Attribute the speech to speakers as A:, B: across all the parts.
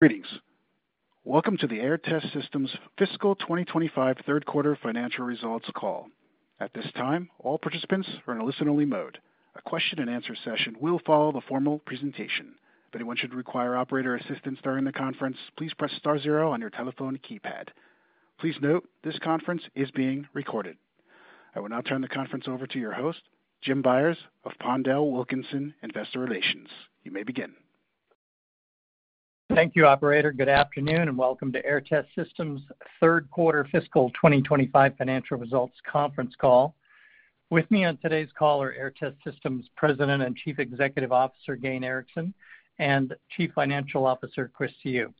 A: Greetings. Welcome to the Aehr Test Systems fiscal 2025 third quarter financial results call. At this time, all participants are in a listen-only mode. A Q&A session will follow the formal presentation. If anyone should require operator assistance during the conference, please press star zero on your telephone keypad. Please note this conference is being recorded. I will now turn the conference over to your host, Jim Byers of PondelWilkinson Investor Relations. You may begin.
B: Thank you, Operator. Good afternoon and welcome to Aehr Test Systems' third quarter fiscal 2025 financial results conference call. With me on today's call are Aehr Test Systems' President and Chief Executive Officer Gayn Erickson and Chief Financial Officer Chris Siu.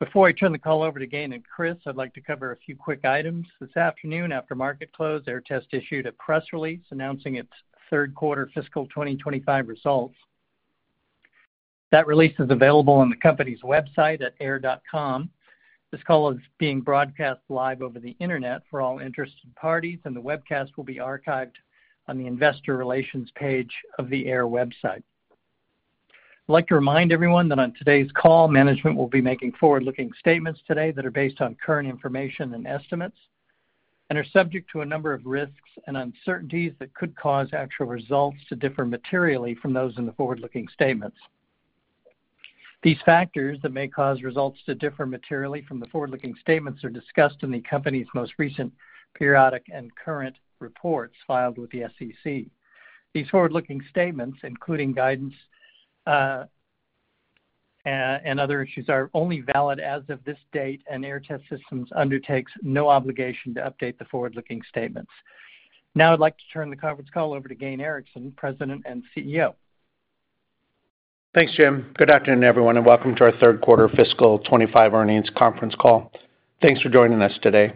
B: Before I turn the call over to Gayn and Chris, I'd like to cover a few quick items. This afternoon, after market close, Aehr Test issued a press release announcing its third quarter fiscal 2025 results. That release is available on the company's website at aehr.com. This call is being broadcast live over the Internet for all interested parties, and the webcast will be archived on the Investor Relations page of the Aehr website. I'd like to remind everyone that on today's call, management will be making forward-looking statements today that are based on current information and estimates and are subject to a number of risks and uncertainties that could cause actual results to differ materially from those in the forward-looking statements. These factors that may cause results to differ materially from the forward-looking statements are discussed in the company's most recent periodic and current reports filed with the SEC. These forward-looking statements, including guidance and other issues, are only valid as of this date, and Aehr Test Systems undertakes no obligation to update the forward-looking statements. Now I'd like to turn the conference call over to Gayn Erickson, President and CEO.
C: Thanks, Jim. Good afternoon, everyone, and welcome to our third quarter fiscal 2025 earnings conference call. Thanks for joining us today.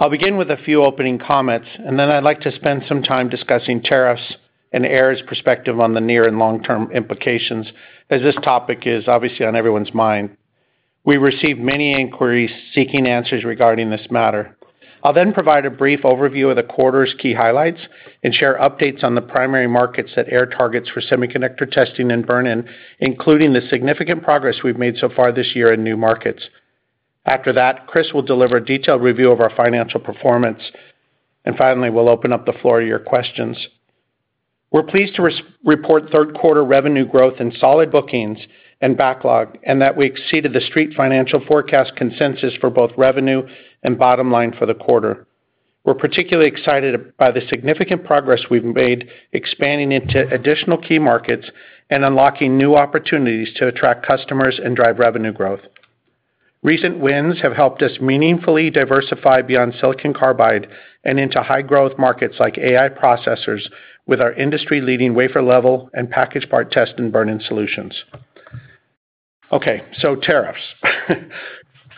C: I'll begin with a few opening comments, and then I'd like to spend some time discussing tariffs and Aehr's perspective on the near and long-term implications, as this topic is obviously on everyone's mind. We received many inquiries seeking answers regarding this matter. I'll then provide a brief overview of the quarter's key highlights and share updates on the primary markets that Aehr targets for semiconductor testing and burn-in, including the significant progress we've made so far this year in new markets. After that, Chris will deliver a detailed review of our financial performance, and finally, we'll open up the floor to your questions. We're pleased to report third quarter revenue growth in solid bookings and backlog, and that we exceeded the street financial forecast consensus for both revenue and bottom line for the quarter. We're particularly excited by the significant progress we've made expanding into additional key markets and unlocking new opportunities to attract customers and drive revenue growth. Recent wins have helped us meaningfully diversify beyond silicon carbide and into high-growth markets like AI processors with our industry-leading wafer-level and package-part test and burn-in solutions. Okay, so tariffs.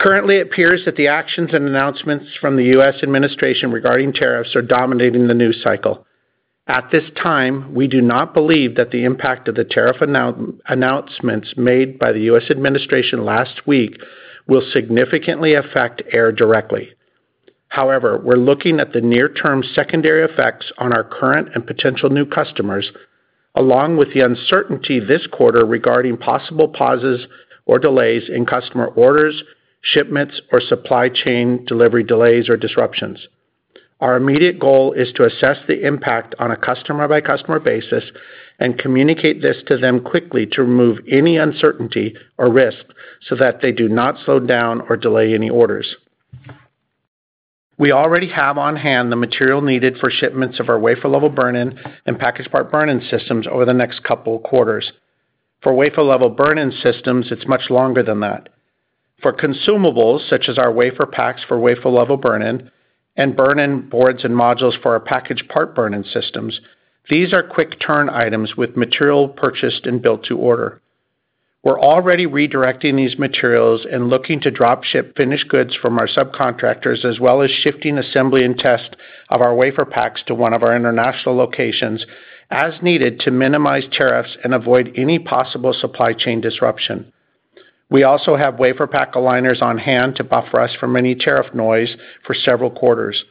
C: Currently, it appears that the actions and announcements from the U.S. administration regarding tariffs are dominating the news cycle. At this time, we do not believe that the impact of the tariff announcements made by the U.S. administration last week will significantly affect Aehr directly. However, we're looking at the near-term secondary effects on our current and potential new customers, along with the uncertainty this quarter regarding possible pauses or delays in customer orders, shipments, or supply chain delivery delays or disruptions. Our immediate goal is to assess the impact on a customer-by-customer basis and communicate this to them quickly to remove any uncertainty or risk so that they do not slow down or delay any orders. We already have on hand the material needed for shipments of our wafer-level burn-in and package-part burn-in systems over the next couple of quarters. For wafer-level burn-in systems, it's much longer than that. For consumables such as our wafer packs for wafer-level burn-in and burn-in boards and modules for our package-part burn-in systems, these are quick-turn items with material purchased and built to order. We're already redirecting these materials and looking to dropship finished goods from our subcontractors, as well as shifting assembly and test of our wafer packs to one of our international locations as needed to minimize tariffs and avoid any possible supply chain disruption. We also have wafer pack aligners on hand to buffer us from any tariff noise for several quarters.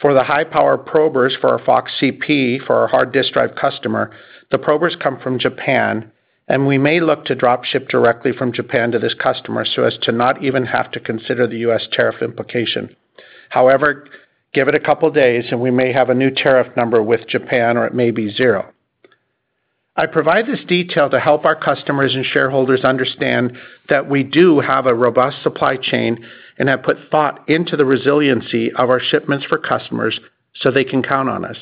C: For the high-power probers for our FOX-CP for our hard-disk drive customer, the probers come from Japan, and we may look to dropship directly from Japan to this customer so as to not even have to consider the U.S. tariff implication. However, give it a couple of days, and we may have a new tariff number with Japan, or it may be zero. I provide this detail to help our customers and shareholders understand that we do have a robust supply chain and have put thought into the resiliency of our shipments for customers so they can count on us.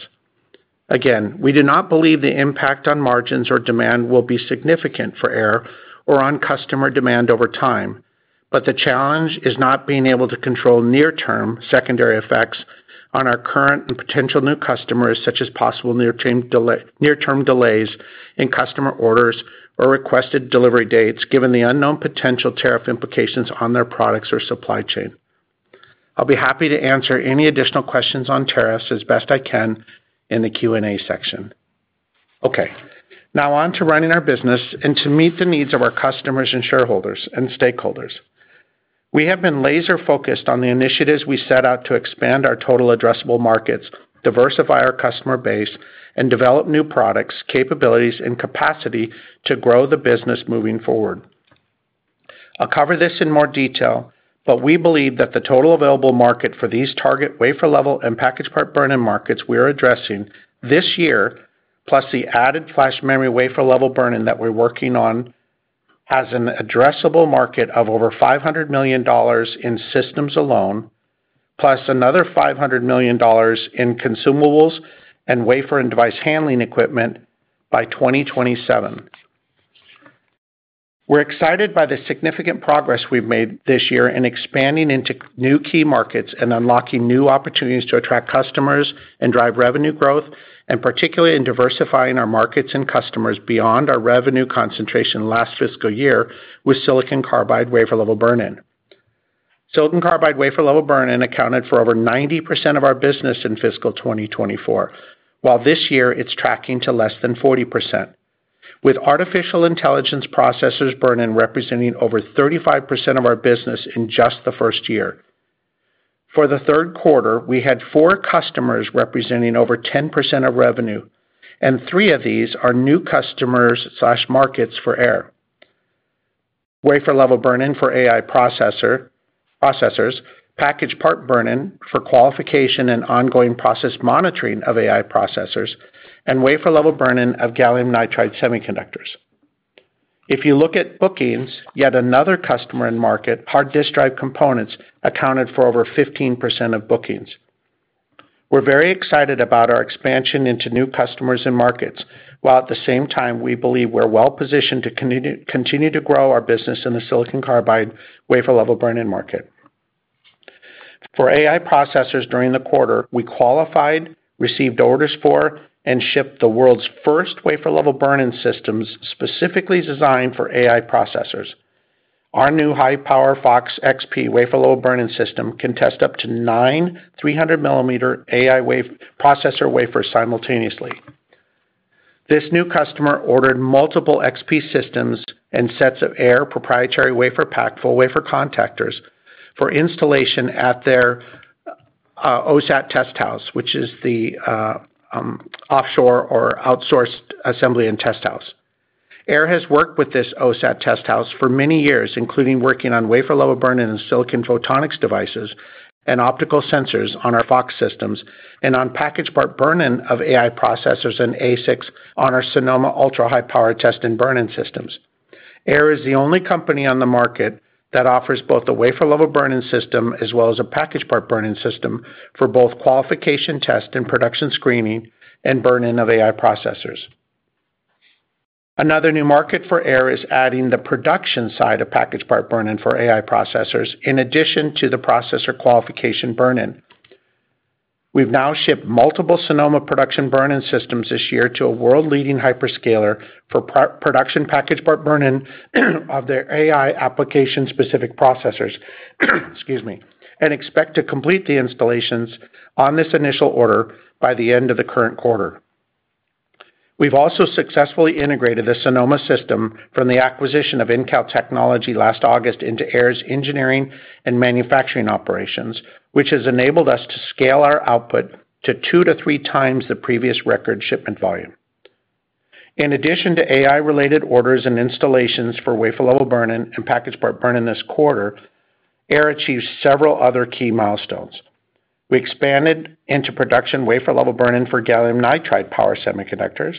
C: Again, we do not believe the impact on margins or demand will be significant for Aehr or on customer demand over time, but the challenge is not being able to control near-term secondary effects on our current and potential new customers, such as possible near-term delays in customer orders or requested delivery dates, given the unknown potential tariff implications on their products or supply chain. I'll be happy to answer any additional questions on tariffs as best I can in the Q&A section. Okay, now on to running our business and to meet the needs of our customers and shareholders and stakeholders. We have been laser-focused on the initiatives we set out to expand our total addressable markets, diversify our customer base, and develop new products, capabilities, and capacity to grow the business moving forward. I'll cover this in more detail, but we believe that the total available market for these target wafer-level and package-part burn-in markets we're addressing this year, plus the added flash memory wafer-level burn-in that we're working on, has an addressable market of over $500 million in systems alone, plus another $500 million in consumables and wafer and device handling equipment by 2027. We're excited by the significant progress we've made this year in expanding into new key markets and unlocking new opportunities to attract customers and drive revenue growth, and particularly in diversifying our markets and customers beyond our revenue concentration last fiscal year with silicon carbide wafer-level burn-in. Silicon carbide wafer-level burn-in accounted for over 90% of our business in fiscal 2024, while this year it's tracking to less than 40%, with artificial intelligence processors burn-in representing over 35% of our business in just the first year. For the third quarter, we had four customers representing over 10% of revenue, and three of these are new customers/markets for Aehr: wafer-level burn-in for AI processors, package-part burn-in for qualification and ongoing process monitoring of AI processors, and wafer-level burn-in of gallium nitride semiconductors. If you look at bookings, yet another customer and market, hard-disk drive components, accounted for over 15% of bookings. We're very excited about our expansion into new customers and markets, while at the same time, we believe we're well-positioned to continue to grow our business in the silicon carbide wafer-level burn-in market. For AI processors during the quarter, we qualified, received orders for, and shipped the world's first wafer-level burn-in systems specifically designed for AI processors. Our new high-power FOX-XP wafer-level burn-in system can test up to nine 300 mm AI processor wafers simultaneously. This new customer ordered multiple XP systems and sets of Aehr proprietary wafer-packed full wafer contactors for installation at their OSAT test house, which is the offshore or outsourced assembly and test house. Aehr has worked with this OSAT test house for many years, including working on wafer-level burn-in in silicon photonics devices and optical sensors on our FOX systems and on package-part burn-in of AI processors and ASICs on our Sonoma ultra-high-powered test and burn-in systems. Aehr is the only company on the market that offers both a wafer-level burn-in system as well as a package-part burn-in system for both qualification test and production screening and burn-in of AI processors. Another new market for Aehr is adding the production side of package-part burn-in for AI processors in addition to the processor qualification burn-in. We've now shipped multiple Sonoma production burn-in systems this year to a world-leading hyperscaler for production package-part burn-in of their AI application-specific processors and expect to complete the installations on this initial order by the end of the current quarter. We've also successfully integrated the Sonoma system from the acquisition of Intel Technology last August into Aehr's engineering and manufacturing operations, which has enabled us to scale our output to two to three times the previous record shipment volume. In addition to AI-related orders and installations for wafer-level burn-in and package-part burn-in this quarter, Aehr achieved several other key milestones. We expanded into production wafer-level burn-in for gallium nitride power semiconductors.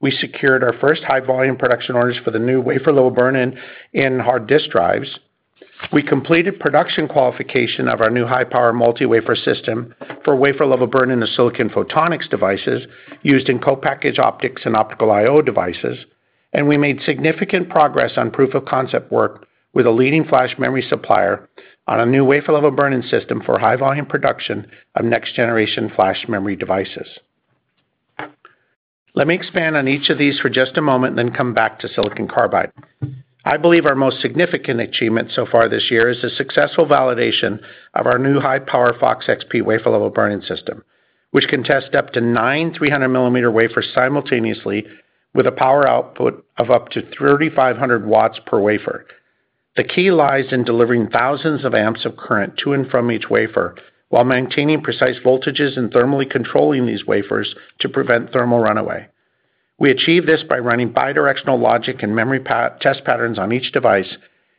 C: We secured our first high-volume production orders for the new wafer-level burn-in in hard-disk drives. We completed production qualification of our new high-power multi-wafer system for wafer-level burn-in of silicon photonics devices used in co-package optics and optical I/O devices, and we made significant progress on proof-of-concept work with a leading flash memory supplier on a new wafer-level burn-in system for high-volume production of next-generation flash memory devices. Let me expand on each of these for just a moment and then come back to silicon carbide. I believe our most significant achievement so far this year is the successful validation of our new high-power FOX-XP wafer-level burn-in system, which can test up to nine 300 mm wafers simultaneously with a power output of up to 3,500 W per wafer. The key lies in delivering thousands of amps of current to and from each wafer while maintaining precise voltages and thermally controlling these wafers to prevent thermal runaway. We achieve this by running bidirectional logic and memory test patterns on each device,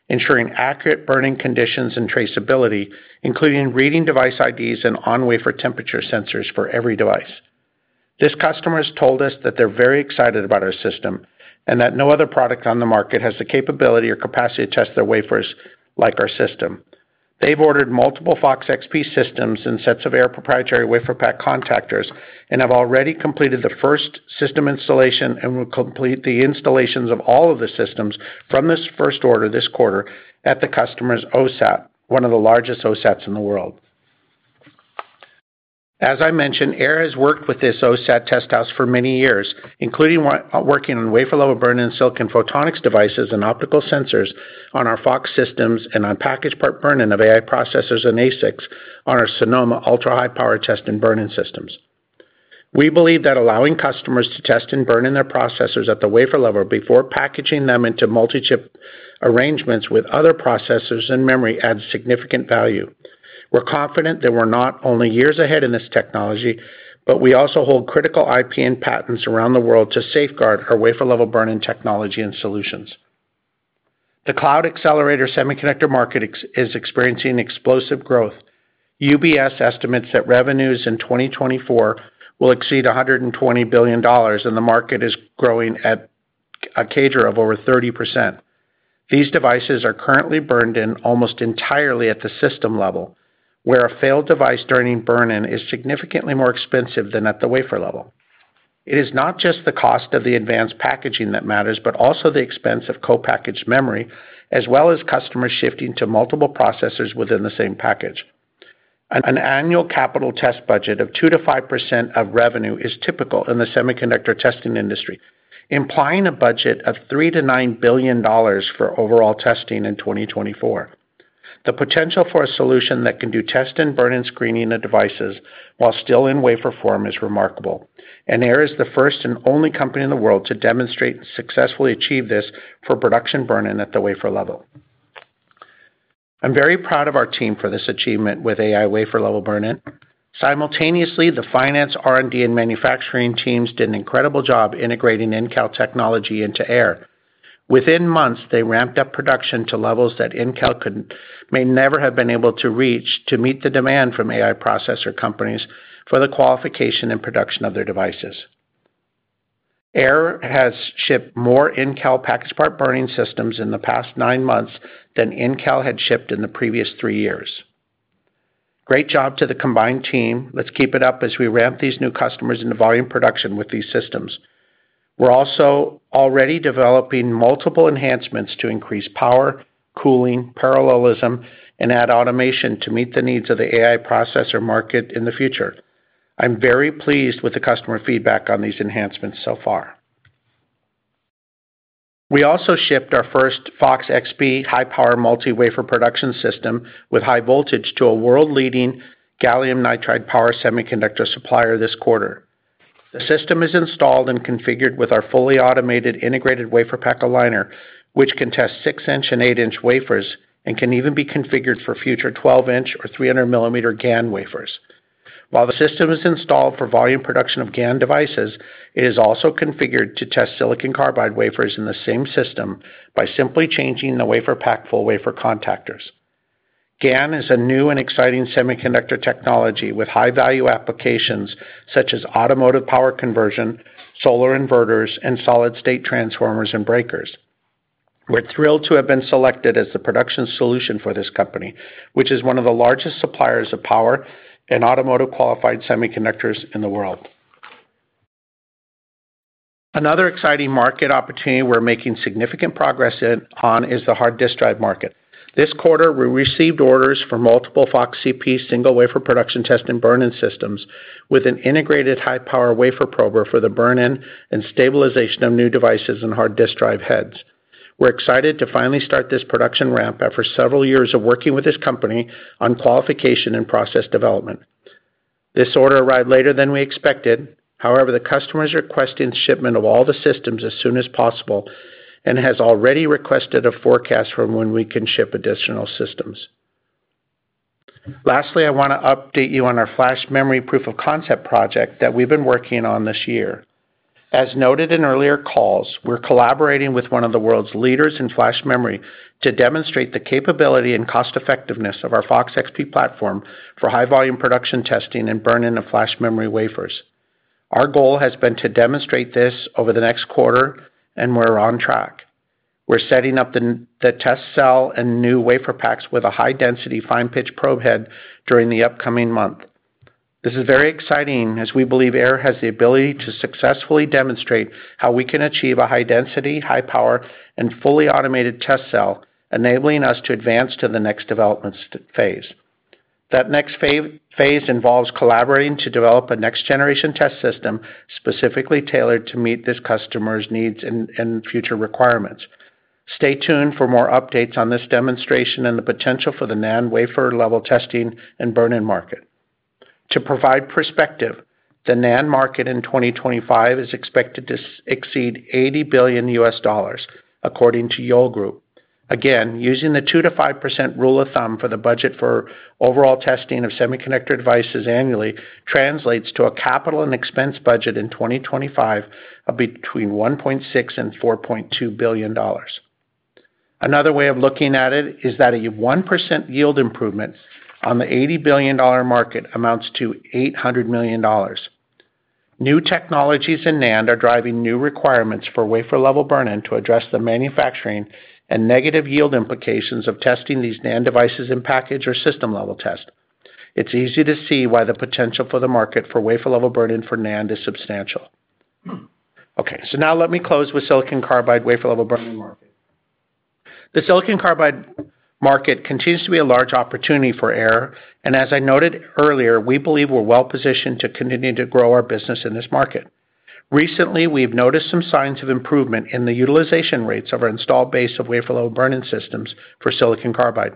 C: ensuring accurate burning conditions and traceability, including reading device IDs and on-wafer temperature sensors for every device. This customer has told us that they're very excited about our system and that no other product on the market has the capability or capacity to test their wafers like our system. They've ordered multiple FOX-XP systems and sets of Aehr proprietary wafer-packed contactors and have already completed the first system installation and will complete the installations of all of the systems from this first order this quarter at the customer's OSAT, one of the largest OSATs in the world. As I mentioned, Aehr has worked with this OSAT test house for many years, including working on wafer-level burn-in silicon photonics devices and optical sensors on our FOX systems and on package-part burn-in of AI processors and ASICs on our Sonoma ultra-high-powered test and burn-in systems. We believe that allowing customers to test and burn-in their processors at the wafer level before packaging them into multi-chip arrangements with other processors and memory adds significant value. We're confident that we're not only years ahead in this technology, but we also hold critical IP and patents around the world to safeguard our wafer-level burn-in technology and solutions. The cloud accelerator semiconductor market is experiencing explosive growth. UBS estimates that revenues in 2024 will exceed $120 billion, and the market is growing at a CAGR of over 30%. These devices are currently burned-in almost entirely at the system level, where a failed device during burn-in is significantly more expensive than at the wafer level. It is not just the cost of the advanced packaging that matters, but also the expense of co-packaged memory, as well as customers shifting to multiple processors within the same package. An annual capital test budget of 2%-5% of revenue is typical in the semiconductor testing industry, implying a budget of $3 billion-$9 billion for overall testing in 2024. The potential for a solution that can do test and burn-in screening of devices while still in wafer form is remarkable, and Aehr is the first and only company in the world to demonstrate and successfully achieve this for production burn-in at the wafer level. I'm very proud of our team for this achievement with AI wafer-level burn-in. Simultaneously, the finance, R&D, and manufacturing teams did an incredible job integrating Intel technology into Aehr. Within months, they ramped up production to levels that Intel may never have been able to reach to meet the demand from AI processor companies for the qualification and production of their devices. Aehr has shipped more Intel package-part burn-in systems in the past nine months than Intel had shipped in the previous three years. Great job to the combined team. Let's keep it up as we ramp these new customers into volume production with these systems. We're also already developing multiple enhancements to increase power, cooling, parallelism, and add automation to meet the needs of the AI processor market in the future. I'm very pleased with the customer feedback on these enhancements so far. We also shipped our first FOX-XP high-power multi-wafer production system with high voltage to a world-leading gallium nitride power semiconductor supplier this quarter. The system is installed and configured with our fully automated integrated wafer pack aligner, which can test 6 in and 8 in wafers and can even be configured for future 12 in or 300 mm GAN wafers. While the system is installed for volume production of GAN devices, it is also configured to test silicon carbide wafers in the same system by simply changing the wafer pack full wafer contactors. Nitride is a new and exciting semiconductor technology with high-value applications such as automotive power conversion, solar inverters, and solid-state transformers and breakers. We're thrilled to have been selected as the production solution for this company, which is one of the largest suppliers of power and automotive qualified semiconductors in the world. Another exciting market opportunity we're making significant progress on is the hard-disk drive market. This quarter, we received orders for multiple FOX-CP single-wafer production test and burn-in systems with an integrated high-power wafer prober for the burn-in and stabilization of new devices and hard-disk drive heads. We're excited to finally start this production ramp after several years of working with this company on qualification and process development. This order arrived later than we expected. However, the customer is requesting shipment of all the systems as soon as possible and has already requested a forecast for when we can ship additional systems. Lastly, I want to update you on our flash memory proof-of-concept project that we've been working on this year. As noted in earlier calls, we're collaborating with one of the world's leaders in flash memory to demonstrate the capability and cost-effectiveness of our FOX-XP platform for high-volume production testing and burn-in of flash memory wafers. Our goal has been to demonstrate this over the next quarter, and we're on track. We're setting up the test cell and new wafer packs with a high-density fine-pitch probe head during the upcoming month. This is very exciting as we believe Aehr has the ability to successfully demonstrate how we can achieve a high-density, high-power, and fully automated test cell, enabling us to advance to the next development phase. That next phase involves collaborating to develop a next-generation test system specifically tailored to meet this customer's needs and future requirements. Stay tuned for more updates on this demonstration and the potential for the NAND wafer-level testing and burn-in market. To provide perspective, the NAND market in 2025 is expected to exceed $80 billion, according to Yale Group. Again, using the 2%-5% rule of thumb for the budget for overall testing of semiconductor devices annually translates to a capital and expense budget in 2025 of between $1.6 billion and $4.2 billion. Another way of looking at it is that a 1% yield improvement on the $80 billion market amounts to $800 million. New technologies in NAND are driving new requirements for wafer-level burn-in to address the manufacturing and negative yield implications of testing these NAND devices in package or system-level test. It's easy to see why the potential for the market for wafer-level burn-in for NAND is substantial. Okay, now let me close with silicon carbide wafer-level burn-in market. The silicon carbide market continues to be a large opportunity for Aehr, and as I noted earlier, we believe we're well-positioned to continue to grow our business in this market. Recently, we've noticed some signs of improvement in the utilization rates of our installed base of wafer-level burn-in systems for silicon carbide.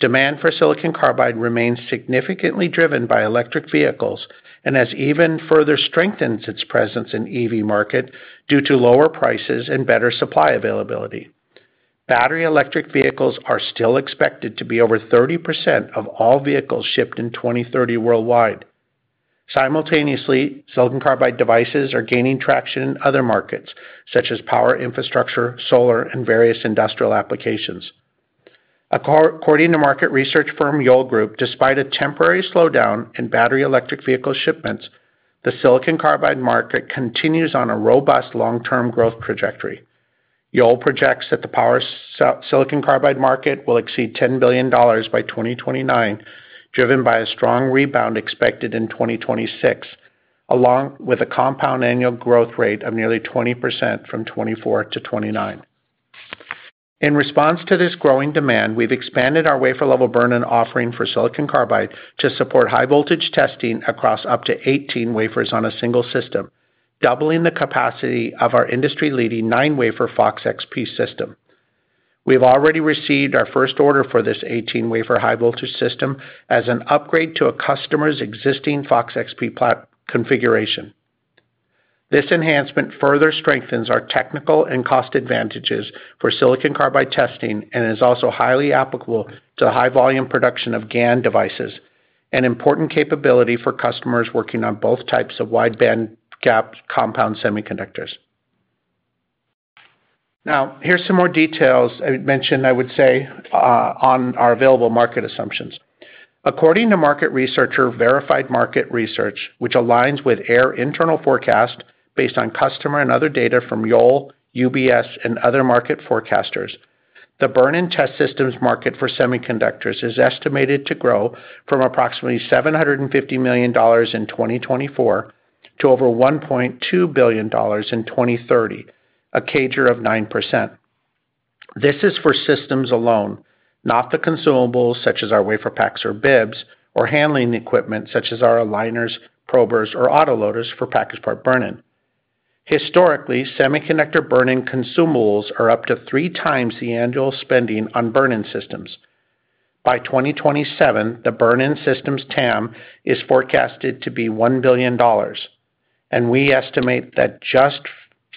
C: Demand for silicon carbide remains significantly driven by electric vehicles and has even further strengthened its presence in the EV market due to lower prices and better supply availability. Battery electric vehicles are still expected to be over 30% of all vehicles shipped in 2030 worldwide. Simultaneously, silicon carbide devices are gaining traction in other markets such as power infrastructure, solar, and various industrial applications. According to market research firm Yale Group, despite a temporary slowdown in battery electric vehicle shipments, the silicon carbide market continues on a robust long-term growth trajectory. Yale projects that the power silicon carbide market will exceed $10 billion by 2029, driven by a strong rebound expected in 2026, along with a compound annual growth rate of nearly 20% from 2024-2029. In response to this growing demand, we've expanded our wafer-level burn-in offering for silicon carbide to support high-voltage testing across up to 18 wafers on a single system, doubling the capacity of our industry-leading nine-wafer FOX-XP system. We've already received our first order for this 18-wafer high-voltage system as an upgrade to a customer's existing FOX-XP configuration. This enhancement further strengthens our technical and cost advantages for silicon carbide testing and is also highly applicable to high-volume production of GaN devices, an important capability for customers working on both types of wide-band gap compound semiconductors. Now, here's some more details I mentioned, I would say, on our available market assumptions. According to market researcher Verified Market Research, which aligns with Aehr internal forecast based on customer and other data from Yale, UBS, and other market forecasters, the burn-in test systems market for semiconductors is estimated to grow from approximately $750 million in 2024 to over $1.2 billion in 2030, a CAGR of 9%. This is for systems alone, not the consumables such as our wafer packs or BIBs, or handling equipment such as our aligners, probers, or auto loaders for package-part burn-in. Historically, semiconductor burn-in consumables are up to three times the annual spending on burn-in systems. By 2027, the burn-in systems TAM is forecasted to be $1 billion, and we estimate that just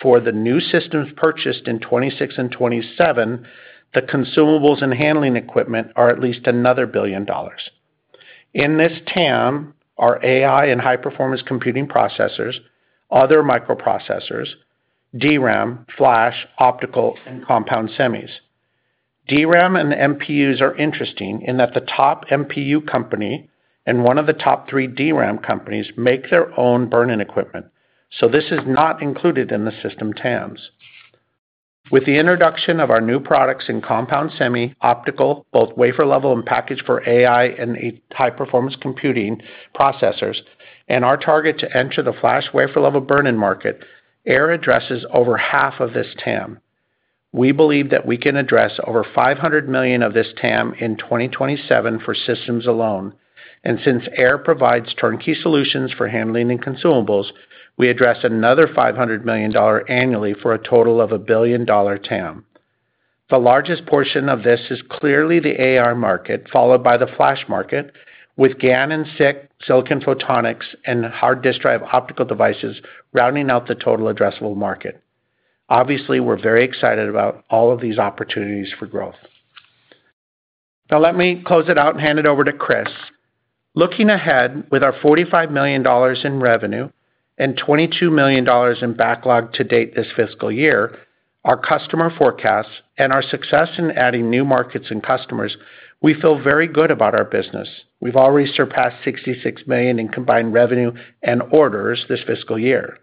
C: for the new systems purchased in 2026 and 2027, the consumables and handling equipment are at least another $1 billion. In this TAM are AI and high-performance computing processors, other microprocessors, DRAM, flash, optical, and compound semis. DRAM and MPUs are interesting in that the top MPU company and one of the top three DRAM companies make their own burn-in equipment, so this is not included in the system TAMs. With the introduction of our new products in compound semi, optical, both wafer-level and package for AI and high-performance computing processors, and our target to enter the flash wafer-level burn-in market, Aehr addresses over half of this TAM. We believe that we can address over $500 million of this TAM in 2027 for systems alone, and since Aehr provides turnkey solutions for handling and consumables, we address another $500 million annually for a total of a billion-dollar TAM. The largest portion of this is clearly the AI market, followed by the flash market, with GaN and SiC, silicon photonics, and hard-disk drive optical devices rounding out the total addressable market. Obviously, we're very excited about all of these opportunities for growth. Now, let me close it out and hand it over to Chris. Looking ahead with our $45 million in revenue and $22 million in backlog to date this fiscal year, our customer forecasts, and our success in adding new markets and customers, we feel very good about our business. We've already surpassed $66 million in combined revenue and orders this fiscal year.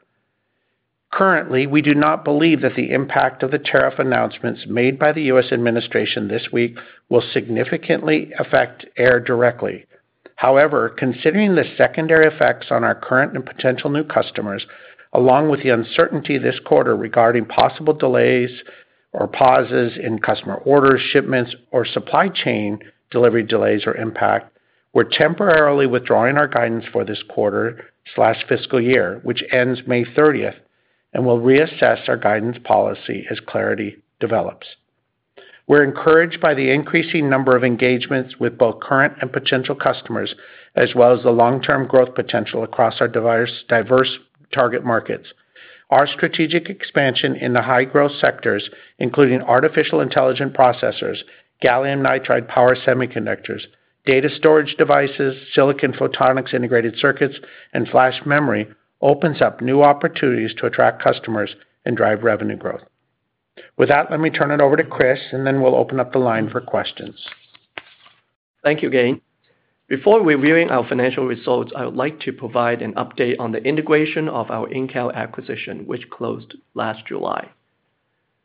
C: Currently, we do not believe that the impact of the tariff announcements made by the U.S. administration this week will significantly affect Aehr directly. However, considering the secondary effects on our current and potential new customers, along with the uncertainty this quarter regarding possible delays or pauses in customer orders, shipments, or supply chain delivery delays or impact, we're temporarily withdrawing our guidance for this quarter/fiscal year, which ends May 30, and we'll reassess our guidance policy as clarity develops. We're encouraged by the increasing number of engagements with both current and potential customers, as well as the long-term growth potential across our diverse target markets. Our strategic expansion in the high-growth sectors, including artificial intelligence processors, gallium nitride power semiconductors, data storage devices, silicon photonics integrated circuits, and flash memory, opens up new opportunities to attract customers and drive revenue growth. With that, let me turn it over to Chris, and then we'll open up the line for questions.
D: Thank you, Gayn. Before we view our financial results, I would like to provide an update on the integration of our Intel acquisition, which closed last July.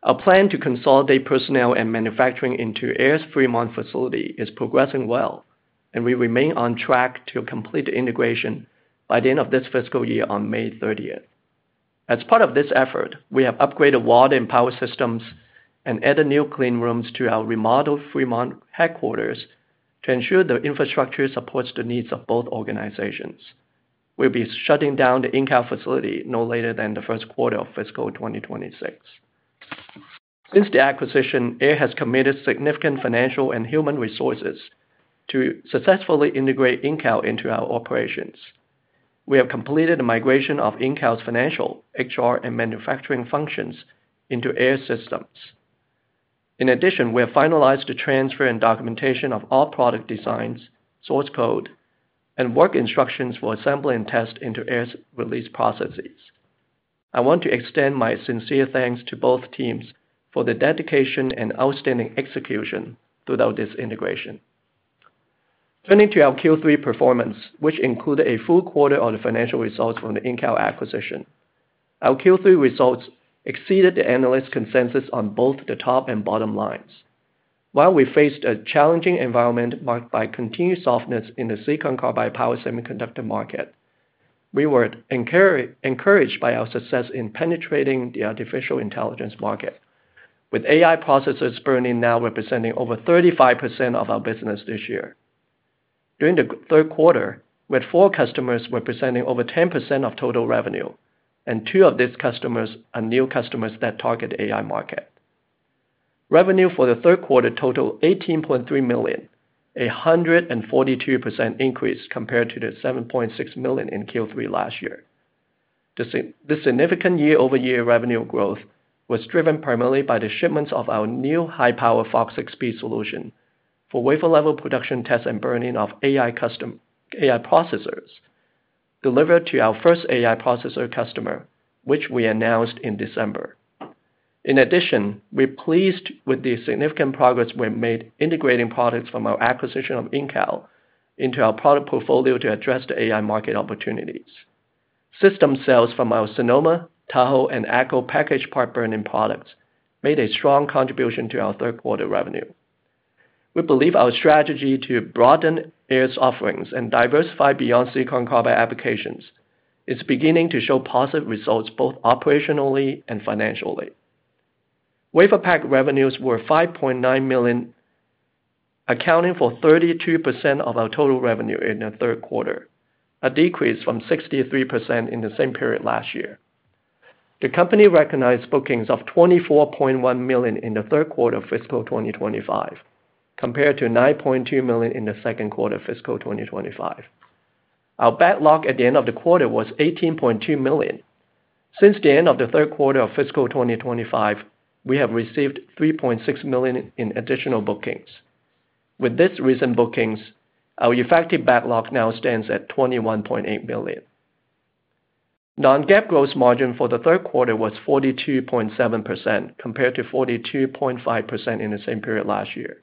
D: Our plan to consolidate personnel and manufacturing into Aehr's Fremont facility is progressing well, and we remain on track to complete the integration by the end of this fiscal year on May 30. As part of this effort, we have upgraded water and power systems and added new clean rooms to our remodeled Fremont headquarters to ensure the infrastructure supports the needs of both organizations. We'll be shutting down the Intel facility no later than the first quarter of fiscal 2026. Since the acquisition, Aehr has committed significant financial and human resources to successfully integrate Intel into our operations. We have completed the migration of Intel's financial, HR, and manufacturing functions into Aehr systems. In addition, we have finalized the transfer and documentation of all product designs, source code, and work instructions for assembly and test into Aehr's release processes. I want to extend my sincere thanks to both teams for the dedication and outstanding execution throughout this integration. Turning to our Q3 performance, which included a full quarter of the financial results from the Intel acquisition, our Q3 results exceeded the analyst consensus on both the top and bottom lines. While we faced a challenging environment marked by continued softness in the silicon carbide power semiconductor market, we were encouraged by our success in penetrating the artificial intelligence market, with AI processors burn-in now representing over 35% of our business this year. During the third quarter, we had four customers representing over 10% of total revenue, and two of these customers are new customers that target the AI market. Revenue for the third quarter totaled $18.3 million, a 142% increase compared to the $7.6 million in Q3 last year. This significant year-over-year revenue growth was driven primarily by the shipments of our new high-power FOX-XP solution for wafer-level production tests and burn-in of AI processors delivered to our first AI processor customer, which we announced in December. In addition, we're pleased with the significant progress we've made integrating products from our acquisition of Intel into our product portfolio to address the AI market opportunities. System sales from our Sonoma, Tahoe, and ACKO package-part burn-in products made a strong contribution to our third-quarter revenue. We believe our strategy to broaden Aehr's offerings and diversify beyond silicon carbide applications is beginning to show positive results both operationally and financially. Wafer pack revenues were $5.9 million, accounting for 32% of our total revenue in the third quarter, a decrease from 63% in the same period last year. The company recognized bookings of $24.1 million in the third quarter of fiscal 2025, compared to $9.2 million in the second quarter of fiscal 2025. Our backlog at the end of the quarter was $18.2 million. Since the end of the third quarter of fiscal 2025, we have received $3.6 million in additional bookings. With this recent bookings, our effective backlog now stands at $21.8 million. Non-GAAP gross margin for the third quarter was 42.7%, compared to 42.5% in the same period last year.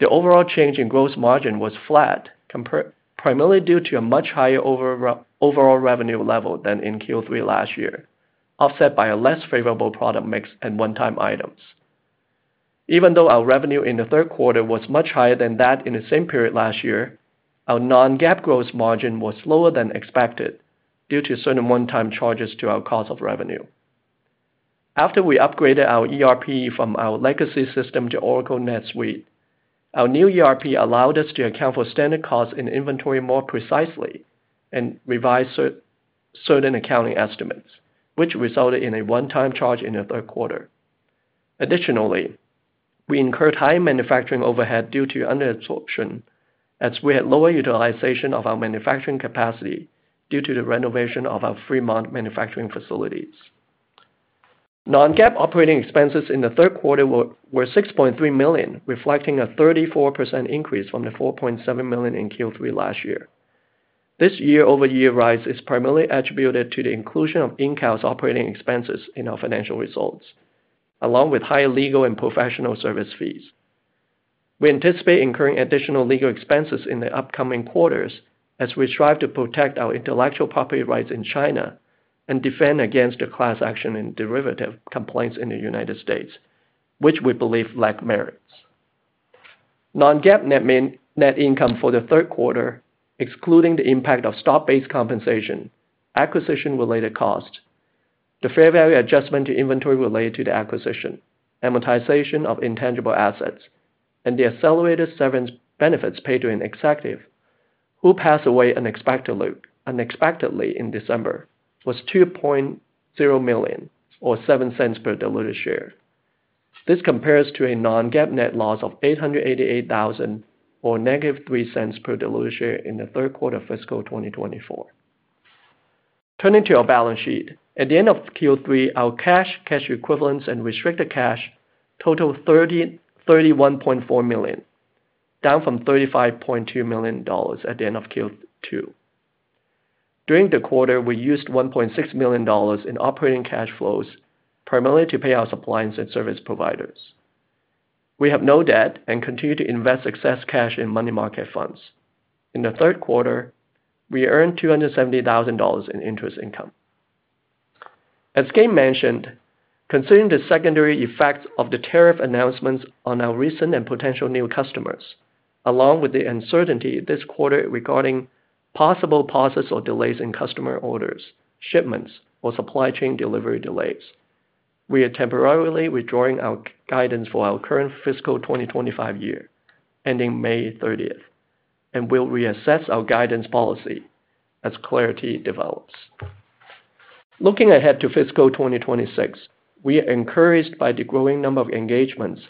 D: The overall change in gross margin was flat, primarily due to a much higher overall revenue level than in Q3 last year, offset by a less favorable product mix and one-time items. Even though our revenue in the third quarter was much higher than that in the same period last year, our non-GAAP gross margin was lower than expected due to certain one-time charges to our cost of revenue. After we upgraded our ERP from our legacy system to Oracle NetSuite, our new ERP allowed us to account for standard costs in inventory more precisely and revise certain accounting estimates, which resulted in a one-time charge in the third quarter. Additionally, we incurred high manufacturing overhead due to underabsorption, as we had lower utilization of our manufacturing capacity due to the renovation of our Fremont manufacturing facilities. Non-GAAP operating expenses in the third quarter were $6.3 million, reflecting a 34% increase from the $4.7 million in Q3 last year. This year-over-year rise is primarily attributed to the inclusion of Intel's operating expenses in our financial results, along with higher legal and professional service fees. We anticipate incurring additional legal expenses in the upcoming quarters, as we strive to protect our intellectual property rights in China and defend against the class action and derivative complaints in the U.S., which we believe lack merits. Non-GAAP net income for the third quarter, excluding the impact of stock-based compensation, acquisition-related costs, the fair value adjustment to inventory related to the acquisition, amortization of intangible assets, and the accelerated severance benefits paid to an executive who passed away unexpectedly in December, was $2.0 million or $0.07 per diluted share. This compares to a non-GAAP net loss of $888,000 or negative $0.03 per diluted share in the third quarter of fiscal 2024. Turning to our balance sheet, at the end of Q3, our cash, cash equivalents, and restricted cash totaled $31.4 million, down from $35.2 million at the end of Q2. During the quarter, we used $1.6 million in operating cash flows primarily to pay our suppliers and service providers. We have no debt and continue to invest excess cash in money market funds. In the third quarter, we earned $270,000 in interest income. As Gayn mentioned, considering the secondary effects of the tariff announcements on our recent and potential new customers, along with the uncertainty this quarter regarding possible pauses or delays in customer orders, shipments, or supply chain delivery delays, we are temporarily withdrawing our guidance for our current fiscal 2025 year ending May 30th, and we'll reassess our guidance policy as clarity develops. Looking ahead to fiscal 2026, we are encouraged by the growing number of engagements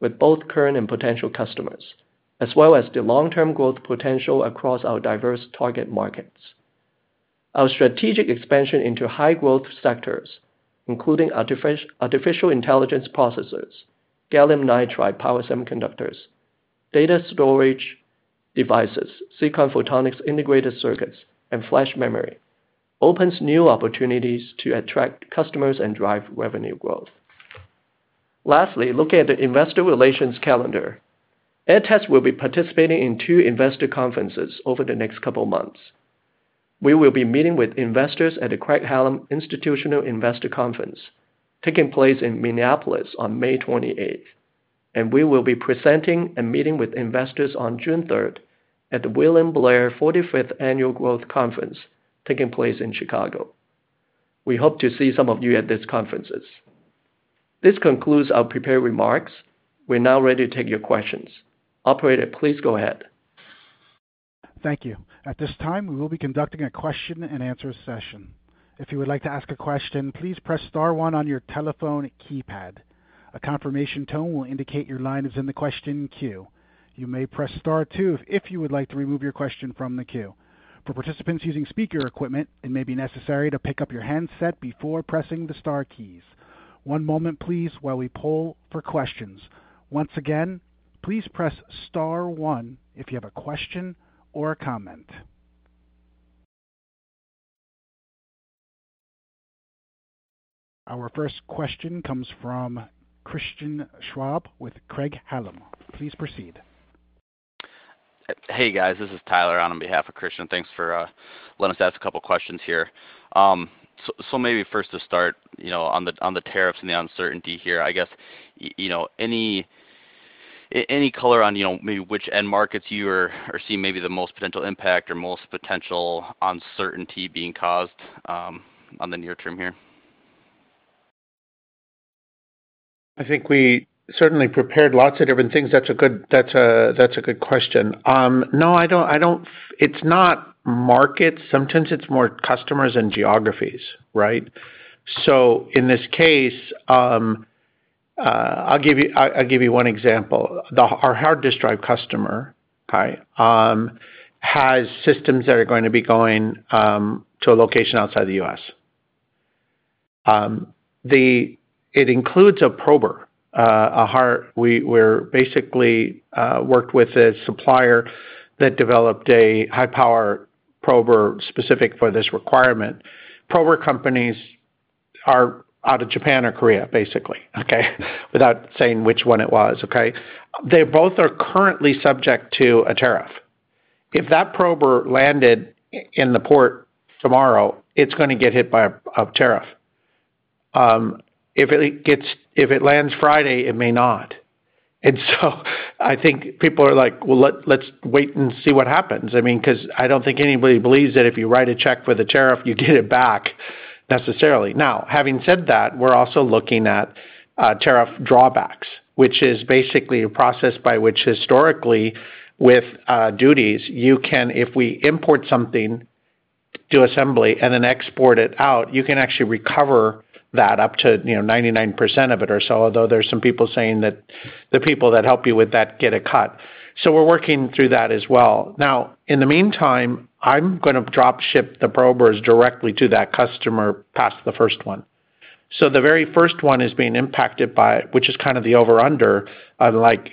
D: with both current and potential customers, as well as the long-term growth potential across our diverse target markets. Our strategic expansion into high-growth sectors, including artificial intelligence processors, gallium nitride power semiconductors, data storage devices, silicon photonics integrated circuits, and flash memory, opens new opportunities to attract customers and drive revenue growth. Lastly, looking at the investor relations calendar, Aehr Test will be participating in two investor conferences over the next couple of months. We will be meeting with investors at the Craig-Hallum Institutional Investor Conference, taking place in Minneapolis on May 28th, and we will be presenting and meeting with investors on June 3rd at the William Blair 45th Annual Growth Conference, taking place in Chicago. We hope to see some of you at these conferences. This concludes our prepared remarks. We're now ready to take your questions. Operator, please go ahead.
A: Thank you. At this time, we will be conducting a Q&A session. If you would like to ask a question, please press star one on your telephone keypad. A confirmation tone will indicate your line is in the question queue. You may press star two if you would like to remove your question from the queue. For participants using speaker equipment, it may be necessary to pick up your handset before pressing the star keys. One moment, please, while we pull for questions. Once again, please press star one if you have a question or a comment. Our first question comes from Christian Schwab with Craig-Hallum. Please proceed.
E: Hey, guys. This is Tyler on behalf of Christian. Thanks for letting us ask a couple of questions here. Maybe first to start on the tariffs and the uncertainty here, I guess, any color on maybe which end markets you are seeing maybe the most potential impact or most potential uncertainty being caused on the near term here?
C: I think we certainly prepared lots of different things. That's a good question. No, I don't—it's not markets. Sometimes it's more customers and geographies, right? In this case, I'll give you one example. Our hard-distribution customer, okay, has systems that are going to be going to a location outside the U.S. It includes a prober. We basically worked with a supplier that developed a high-power prober specific for this requirement. Prober companies are out of Japan or Korea, basically, okay, without saying which one it was, okay? They both are currently subject to a tariff. If that prober landed in the port tomorrow, it's going to get hit by a tariff. If it lands Friday, it may not. I think people are like, "Well, let's wait and see what happens," I mean, because I don't think anybody believes that if you write a check for the tariff, you get it back necessarily. Now, having said that, we're also looking at tariff drawbacks, which is basically a process by which, historically, with duties, if we import something to assembly and then export it out, you can actually recover that up to 99% of it or so, although there are some people saying that the people that help you with that get a cut. We're working through that as well. In the meantime, I'm going to dropship the probers directly to that customer past the first one. The very first one is being impacted by, which is kind of the over/under,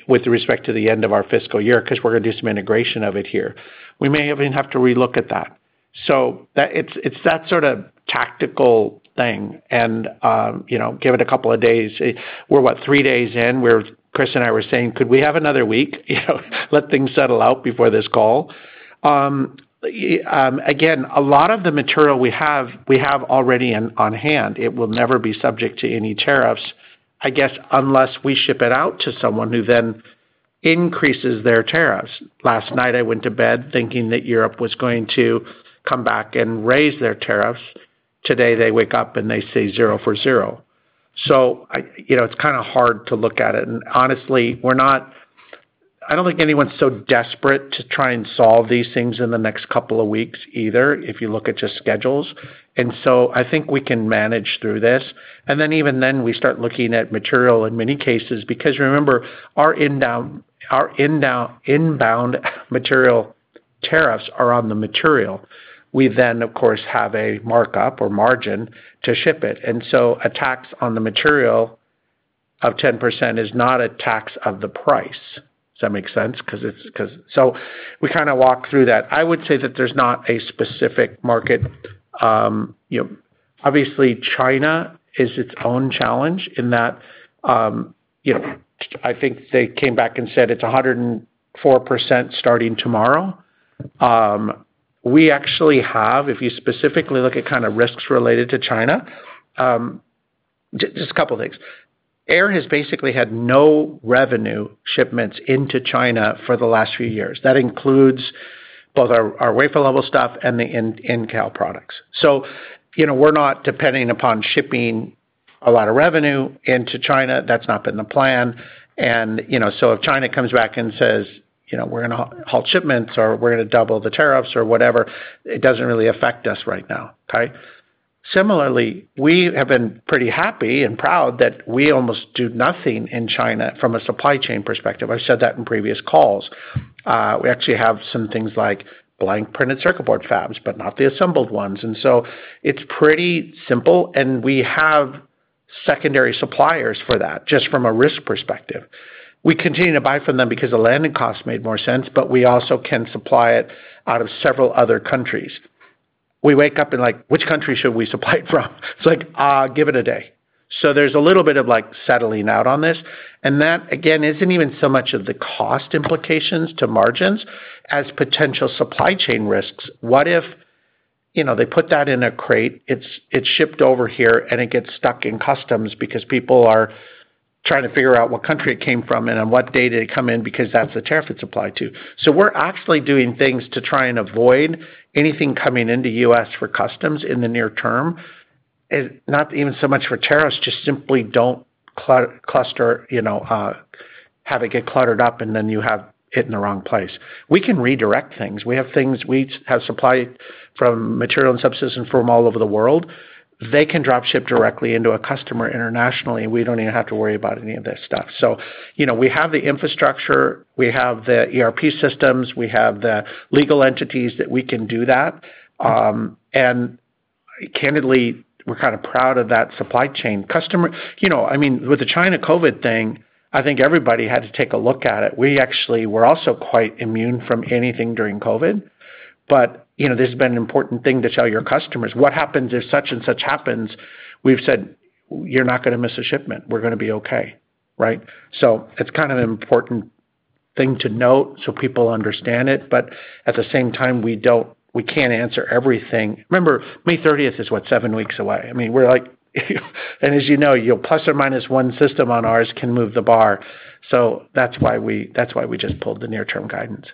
C: with respect to the end of our fiscal year because we're going to do some integration of it here. We may even have to relook at that. It's that sort of tactical thing. Give it a couple of days. We're, what, three days in? Chris and I were saying, "Could we have another week? Let things settle out before this call." Again, a lot of the material we have already on hand, it will never be subject to any tariffs, I guess, unless we ship it out to someone who then increases their tariffs. Last night, I went to bed thinking that Europe was going to come back and raise their tariffs. Today, they wake up and they say zero for zero. It's kind of hard to look at it. Honestly, I don't think anyone's so desperate to try and solve these things in the next couple of weeks either, if you look at just schedules. I think we can manage through this. Even then, we start looking at material in many cases because remember, our inbound material tariffs are on the material. We then, of course, have a markup or margin to ship it. A tax on the material of 10% is not a tax of the price. Does that make sense? We kind of walk through that. I would say that there's not a specific market. Obviously, China is its own challenge in that I think they came back and said it's 104% starting tomorrow. We actually have, if you specifically look at kind of risks related to China, just a couple of things. Aehr has basically had no revenue shipments into China for the last few years. That includes both our wafer-level stuff and the Intel products. We are not depending upon shipping a lot of revenue into China. That has not been the plan. If China comes back and says, "We're going to halt shipments," or, "We're going to double the tariffs," or whatever, it does not really affect us right now, okay? Similarly, we have been pretty happy and proud that we almost do nothing in China from a supply chain perspective. I have said that in previous calls. We actually have some things like blank printed circuit board fabs, but not the assembled ones. It is pretty simple, and we have secondary suppliers for that, just from a risk perspective. We continue to buy from them because the landing costs made more sense, but we also can supply it out of several other countries. We wake up and like, "Which country should we supply it from?" It's like, give it a day." There is a little bit of settling out on this. That, again, is not even so much of the cost implications to margins as potential supply chain risks. What if they put that in a crate, it is shipped over here, and it gets stuck in customs because people are trying to figure out what country it came from and on what day did it come in because that is the tariff it is applied to? We're actually doing things to try and avoid anything coming into the US for customs in the near term, not even so much for tariffs, just simply do not cluster, have it get cluttered up, and then you have it in the wrong place. We can redirect things. We have things we have supplied from material and subsistence from all over the world. They can dropship directly into a customer internationally, and we do not even have to worry about any of this stuff. We have the infrastructure. We have the ERP systems. We have the legal entities that we can do that. Candidly, we're kind of proud of that supply chain. I mean, with the China COVID thing, I think everybody had to take a look at it. We actually were also quite immune from anything during COVID, but this has been an important thing to tell your customers. What happens if such and such happens? We've said, "You're not going to miss a shipment. We're going to be okay," right? It is kind of an important thing to note so people understand it. At the same time, we can't answer everything. Remember, May 30th is, what, seven weeks away? I mean, we're like—as you know, plus or minus one system on ours can move the bar. That is why we just pulled the near-term guidance.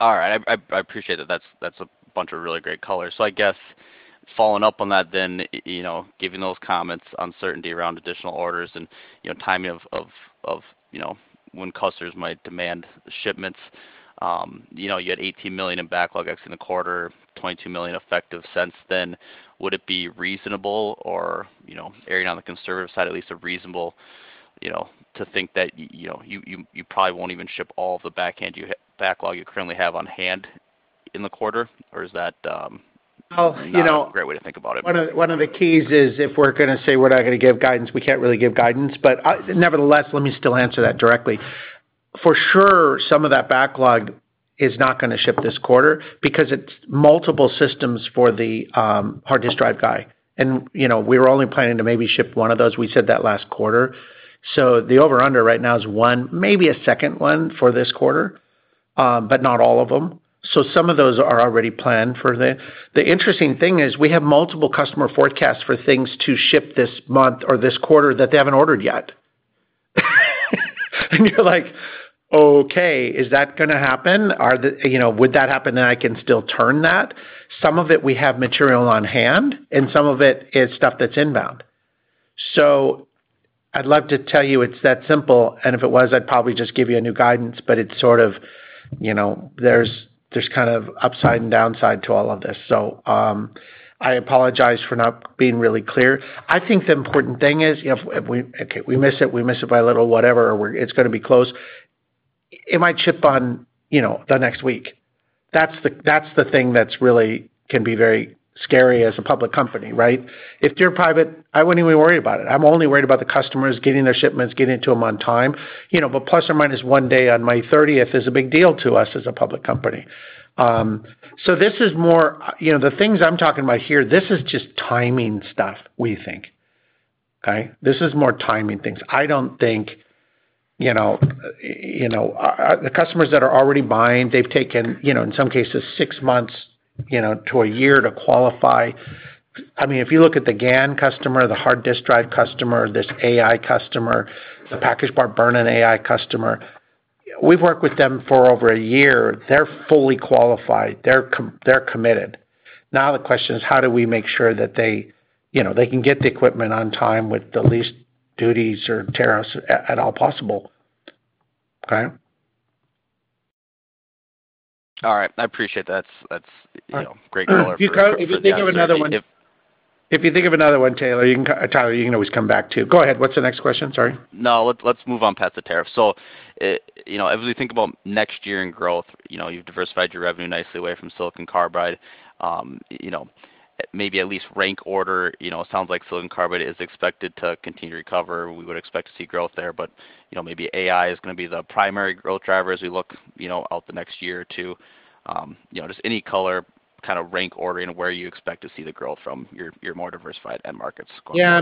E: I appreciate that. That is a bunch of really great colors. I guess following up on that, then giving those comments, uncertainty around additional orders and timing of when customers might demand shipments. You had $18 million in backlog exiting the quarter, $22 million effective since then. Would it be reasonable, or erring on the conservative side, at least reasonable to think that you probably won't even ship all of the backlog you currently have on hand in the quarter? Is that a great way to think about it?
C: One of the keys is if we're going to say we're not going to give guidance, we can't really give guidance. Nevertheless, let me still answer that directly. For sure, some of that backlog is not going to ship this quarter because it's multiple systems for the hard-distributed guy. We were only planning to maybe ship one of those. We said that last quarter. The over/under right now is one, maybe a second one for this quarter, not all of them. Some of those are already planned for them. The interesting thing is we have multiple customer forecasts for things to ship this month or this quarter that they have not ordered yet. You are like, "Okay, is that going to happen? Would that happen that I can still turn that?" Some of it we have material on hand, and some of it is stuff that is inbound. I would love to tell you it is that simple. If it was, I would probably just give you a new guidance, but it is sort of there is kind of upside and downside to all of this. I apologize for not being really clear. I think the important thing is, okay, we miss it, we miss it by a little whatever, or it is going to be close. It might ship by the next week. That is the thing that can be very scary as a public company, right? If they're private, I wouldn't even worry about it. I'm only worried about the customers getting their shipments, getting to them on time. Plus or minus one day on May 30 is a big deal to us as a public company. This is more the things I'm talking about here, this is just timing stuff, we think, okay? This is more timing things. I don't think the customers that are already buying, they've taken, in some cases, six months to a year to qualify. I mean, if you look at the GaN customer, the hard-distributed customer, this AI customer, the package-part burn-in AI customer, we've worked with them for over a year. They're fully qualified. They're committed. Now the question is, how do we make sure that they can get the equipment on time with the least duties or tariffs at all possible, okay?
E: All right. I appreciate that. That's great color.
C: If you think of another one, Tyler, you can always come back too. Go ahead. What's the next question? Sorry.
E: No, let's move on past the tariff. As we think about next year in growth, you've diversified your revenue nicely away from silicon carbide. Maybe at least rank order. It sounds like silicon carbide is expected to continue to recover. We would expect to see growth there, but maybe AI is going to be the primary growth driver as we look out the next year or two. Just any color kind of rank ordering where you expect to see the growth from your more diversified end markets.
C: Yeah. I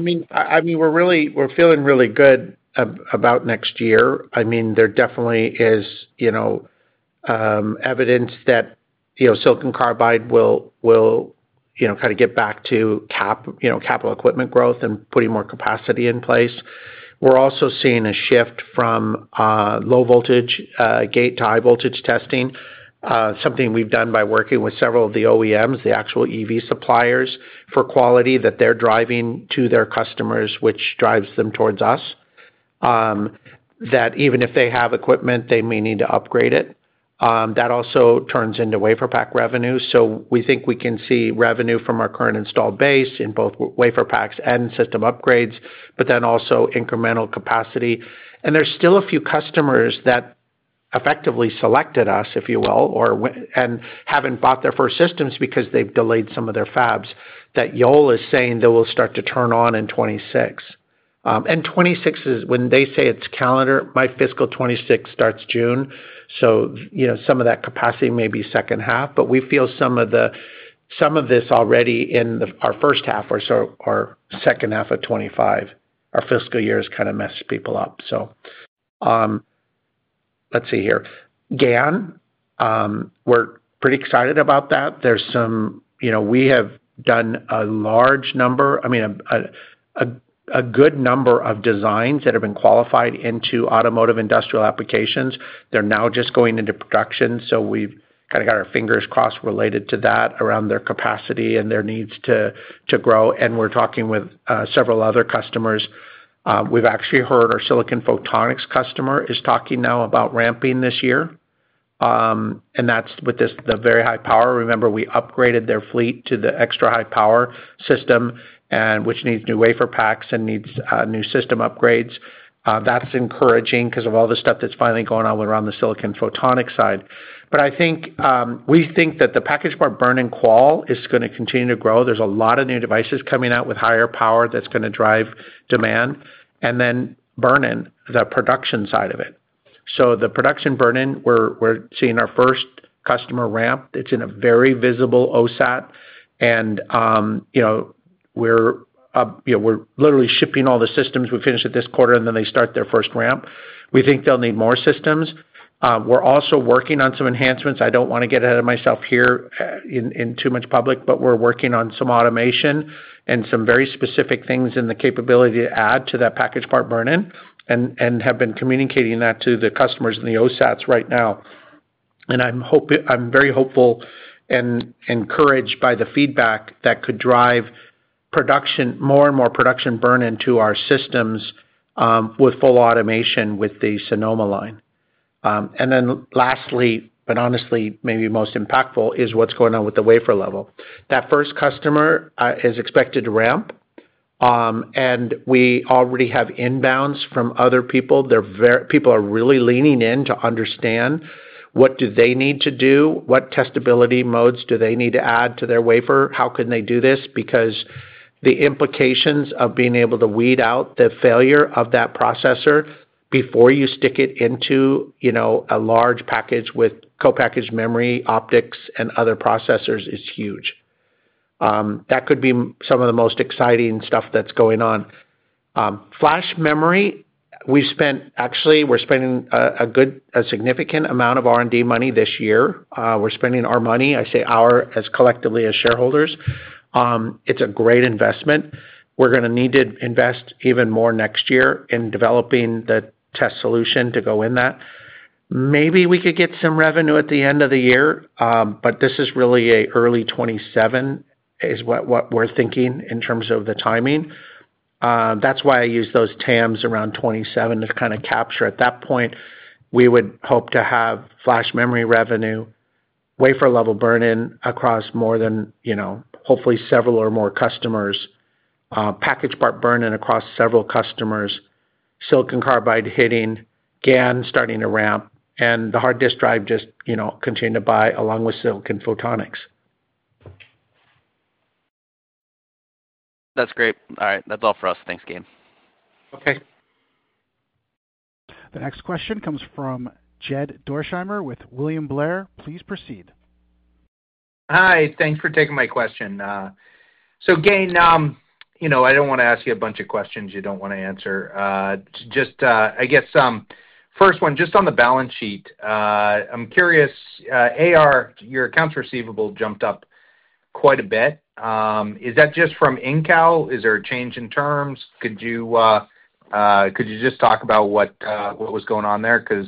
C: mean, we're feeling really good about next year. I mean, there definitely is evidence that silicon carbide will kind of get back to capital equipment growth and putting more capacity in place. We're also seeing a shift from low voltage gate to high voltage testing, something we've done by working with several of the OEMs, the actual EV suppliers for quality that they're driving to their customers, which drives them towards us, that even if they have equipment, they may need to upgrade it. That also turns into wafer pack revenue. We think we can see revenue from our current installed base in both wafer packs and system upgrades, but then also incremental capacity. There are still a few customers that effectively selected us, if you will, and haven't bought their first systems because they've delayed some of their fabs that Yale is saying they will start to turn on in 2026. 2026 is when they say it's calendar. My fiscal 2026 starts June. Some of that capacity may be second half, but we feel some of this already in our first half or so or second half of 2025. Our fiscal year has kind of messed people up. Let's see here. GaN, we're pretty excited about that. There's some—we have done a large number, I mean, a good number of designs that have been qualified into automotive industrial applications. They're now just going into production. We've kind of got our fingers crossed related to that around their capacity and their needs to grow. We're talking with several other customers. We've actually heard our silicon photonics customer is talking now about ramping this year. That's with the very high power. Remember, we upgraded their fleet to the extra high power system, which needs new wafer packs and needs new system upgrades. That's encouraging because of all the stuff that's finally going on around the silicon photonics side. I think we think that the package-part burn-in qual is going to continue to grow. There's a lot of new devices coming out with higher power that's going to drive demand. Burn-in, the production side of it. The production burn-in, we're seeing our first customer ramp. It's in a very visible OSAT. We're literally shipping all the systems. We finish it this quarter, and they start their first ramp. We think they'll need more systems. We're also working on some enhancements. I don't want to get ahead of myself here in too much public, but we're working on some automation and some very specific things in the capability to add to that package-part burn-in and have been communicating that to the customers and the OSATs right now. I'm very hopeful and encouraged by the feedback that could drive more and more production burn-in to our systems with full automation with the Sonoma line. Lastly, but honestly, maybe most impactful is what's going on with the wafer level. That first customer is expected to ramp. We already have inbounds from other people. People are really leaning in to understand what do they need to do, what testability modes do they need to add to their wafer, how can they do this? Because the implications of being able to weed out the failure of that processor before you stick it into a large package with co-packaged memory, optics, and other processors is huge. That could be some of the most exciting stuff that's going on. Flash memory, we've spent—actually, we're spending a significant amount of R&D money this year. We're spending our money, I say our as collectively as shareholders. It's a great investment. We're going to need to invest even more next year in developing the test solution to go in that. Maybe we could get some revenue at the end of the year, but this is really early 2027 is what we're thinking in terms of the timing. That's why I use those TAMs around 2027 to kind of capture at that point. We would hope to have flash memory revenue, wafer-level burn-in across more than hopefully several or more customers, package-part burn-in across several customers, silicon carbide hitting, GaN starting to ramp, and the hard disk drive just continuing to buy along with silicon photonics.
E: That's great. All right. That's all for us. Thanks, Gayn.
C: Okay.
A: The next question comes from Jed Dorsheimer with William Blair. Please proceed.
F: Hi. Thanks for taking my question. Gayn, I don't want to ask you a bunch of questions you don't want to answer. Just I guess first one, just on the balance sheet, I'm curious, AR, your accounts receivable jumped up quite a bit. Is that just from Incal? Is there a change in terms? Could you just talk about what was going on there? Because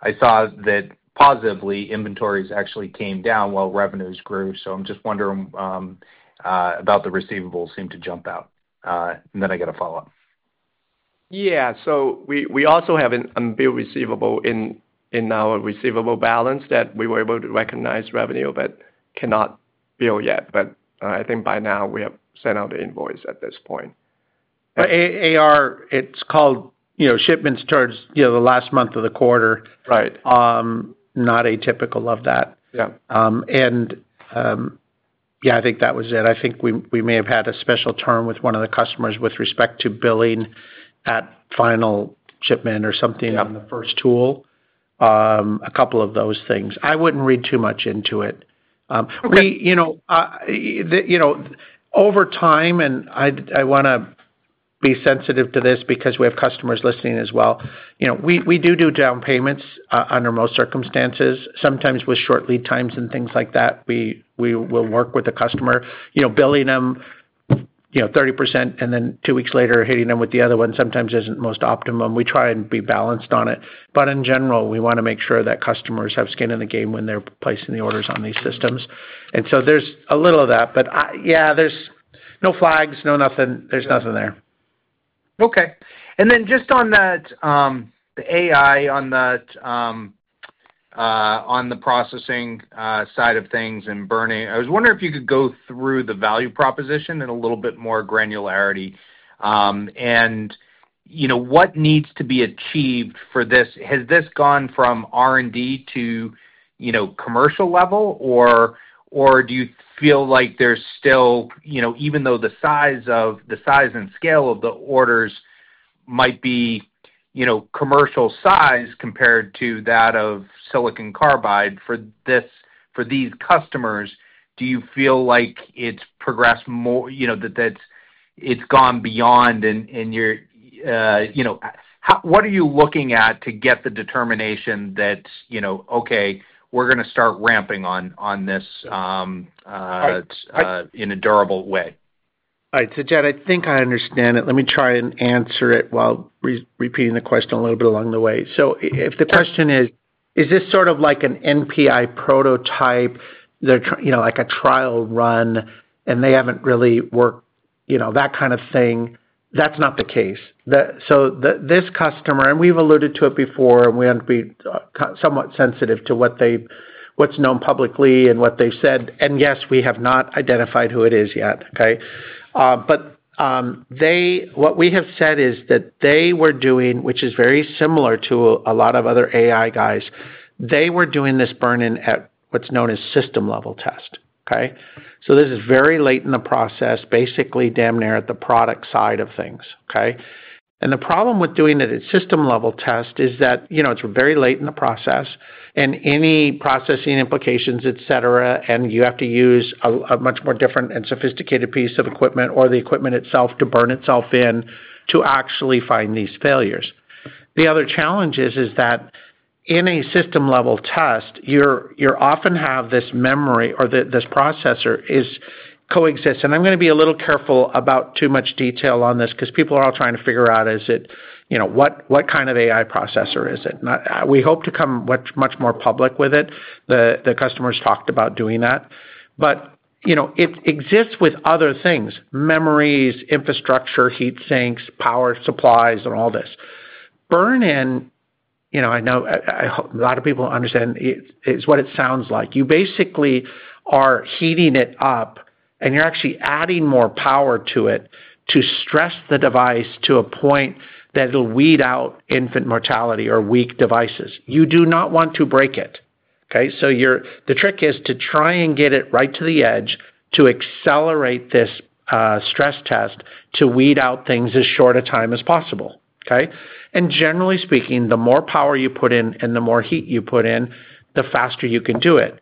F: I saw that, positively, inventories actually came down while revenues grew. I'm just wondering about the receivables seem to jump out. I got a follow-up.
C: Yeah. We also have a bill receivable in our receivable balance that we were able to recognize revenue, but cannot bill yet. I think by now we have sent out an invoice at this point. AR, it's called shipments towards the last month of the quarter. Not atypical of that. I think that was it. I think we may have had a special term with one of the customers with respect to billing at final shipment or something on the first tool, a couple of those things. I wouldn't read too much into it. Over time, and I want to be sensitive to this because we have customers listening as well. We do do down payments under most circumstances. Sometimes with short lead times and things like that, we will work with the customer. Billing them 30% and then two weeks later hitting them with the other one sometimes is not most optimum. We try and be balanced on it. In general, we want to make sure that customers have skin in the game when they're placing the orders on these systems. There is a little of that, but yeah, there are no flags, no nothing. There is nothing there.
F: Okay. Just on that AI, on the processing side of things and burn-in, I was wondering if you could go through the value proposition in a little bit more granularity. What needs to be achieved for this? Has this gone from R&D to commercial level, or do you feel like there's still, even though the size and scale of the orders might be commercial size compared to that of silicon carbide for these customers, do you feel like it's progressed more that it's gone beyond in your—what are you looking at to get the determination that, okay, we're going to start ramping on this in a durable way?
C: All right. Jed, I think I understand it. Let me try and answer it while repeating the question a little bit along the way. If the question is, is this sort of like an NPI prototype, like a trial run, and they haven't really worked that kind of thing? That's not the case. This customer, and we've alluded to it before, and we have to be somewhat sensitive to what's known publicly and what they've said. Yes, we have not identified who it is yet, okay? What we have said is that they were doing, which is very similar to a lot of other AI guys, they were doing this burn-in at what's known as system-level test, okay? This is very late in the process, basically damn near at the product side of things, okay? The problem with doing it at system-level test is that it's very late in the process, and any processing implications, etc., and you have to use a much more different and sophisticated piece of equipment or the equipment itself to burn itself in to actually find these failures. The other challenge is that in a system-level test, you often have this memory or this processor coexist. I'm going to be a little careful about too much detail on this because people are all trying to figure out, is it what kind of AI processor is it? We hope to come much more public with it. The customer has talked about doing that. It exists with other things: memories, infrastructure, heat sinks, power supplies, and all this. Burn-in, I know a lot of people understand, is what it sounds like. You basically are heating it up, and you're actually adding more power to it to stress the device to a point that it'll weed out infant mortality or weak devices. You do not want to break it, okay? The trick is to try and get it right to the edge to accelerate this stress test to weed out things in as short a time as possible, okay? Generally speaking, the more power you put in and the more heat you put in, the faster you can do it.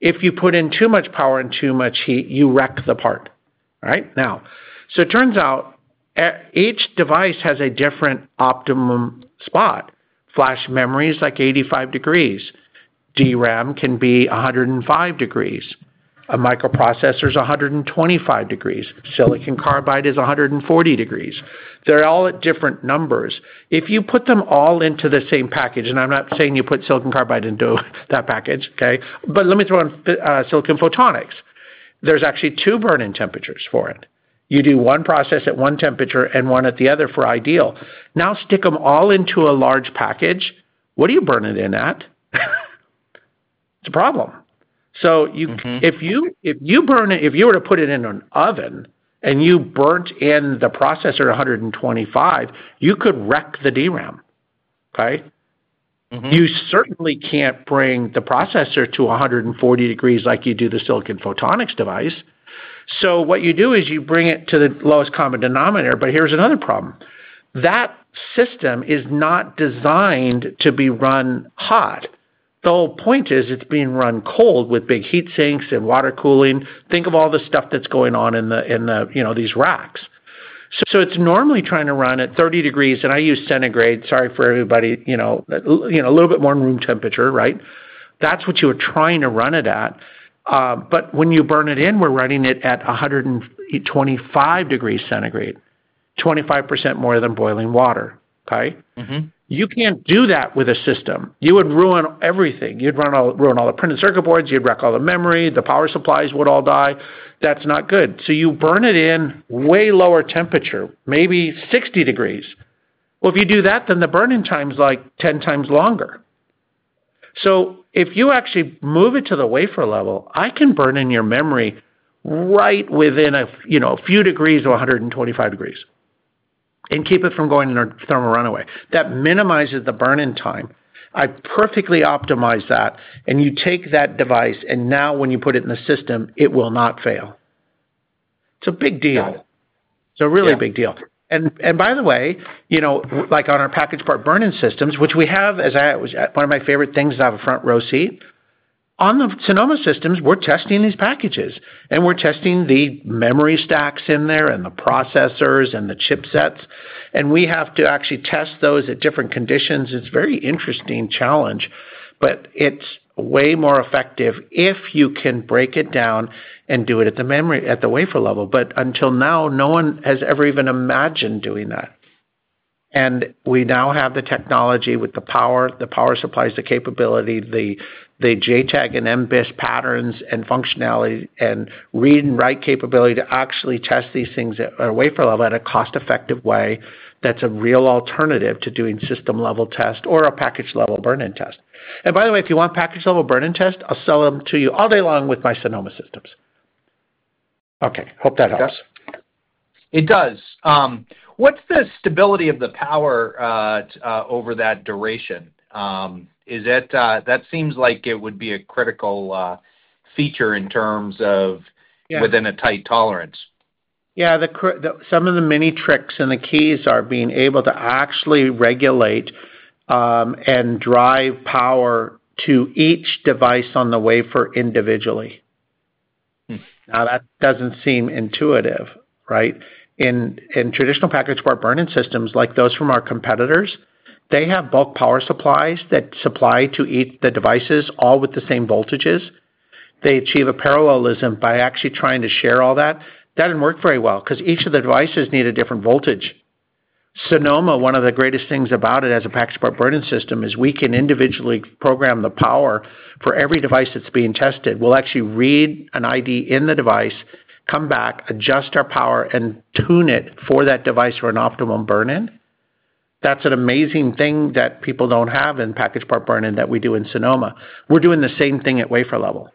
C: If you put in too much power and too much heat, you wreck the part, right? It turns out each device has a different optimum spot. Flash memory is like 85 degrees. DRAM can be 105 degrees. A microprocessor is 125 degrees. Silicon carbide is 140 degrees. They are all at different numbers. If you put them all into the same package, and I am not saying you put silicon carbide into that package, okay? Let me throw in silicon photonics. There are actually two burning temperatures for it. You do one process at one temperature and one at the other for ideal. Now stick them all into a large package. What are you burning in that? It is a problem. If you burn it, if you were to put it in an oven and you burnt in the processor at 125, you could wreck the DRAM, okay? You certainly can't bring the processor to 140 degrees like you do the silicon photonics device. What you do is you bring it to the lowest common denominator, but here's another problem. That system is not designed to be run hot. The whole point is it's being run cold with big heat sinks and water cooling. Think of all the stuff that's going on in these racks. It's normally trying to run at 30 degrees, and I use centigrade. Sorry for everybody. A little bit more room temperature, right? That's what you were trying to run it at. When you burn it in, we're running it at 125 degrees centigrade, 25% more than boiling water, okay? You can't do that with a system. You would ruin everything. You'd ruin all the printed circuit boards. You'd wreck all the memory. The power supplies would all die. That's not good. You burn it in way lower temperature, maybe 60 degrees. If you do that, then the burning time is like 10 times longer. If you actually move it to the wafer level, I can burn in your memory right within a few degrees or 125 degrees and keep it from going in a thermal runaway. That minimizes the burning time. I perfectly optimize that. You take that device, and now when you put it in the system, it will not fail. It's a big deal. It's a really big deal. By the way, like on our package-part burn-in systems, which we have, one of my favorite things is I have a front row seat. On the Sonoma systems, we're testing these packages. We're testing the memory stacks in there and the processors and the chipsets. We have to actually test those at different conditions. It's a very interesting challenge, but it's way more effective if you can break it down and do it at the wafer level. Until now, no one has ever even imagined doing that. We now have the technology with the power, the power supplies, the capability, the JTAG and MBUS patterns and functionality and read and write capability to actually test these things at a wafer level in a cost-effective way that's a real alternative to doing system-level test or a package-level burn-in test. By the way, if you want package-level burn-in test, I'll sell them to you all day long with my Sonoma systems. Okay. Hope that helps.
F: It does. What's the stability of the power over that duration? That seems like it would be a critical feature in terms of within a tight tolerance.
C: Yeah. Some of the mini tricks and the keys are being able to actually regulate and drive power to each device on the wafer individually. Now, that doesn't seem intuitive, right? In traditional package-part burn-in systems, like those from our competitors, they have bulk power supplies that supply to each of the devices all with the same voltages. They achieve a parallelism by actually trying to share all that. That didn't work very well because each of the devices need a different voltage. Sonoma, one of the greatest things about it as a package-part burn-in system is we can individually program the power for every device that's being tested. We'll actually read an ID in the device, come back, adjust our power, and tune it for that device for an optimum burn-in. That's an amazing thing that people don't have in package-part burn-in that we do in Sonoma. We're doing the same thing at wafer level,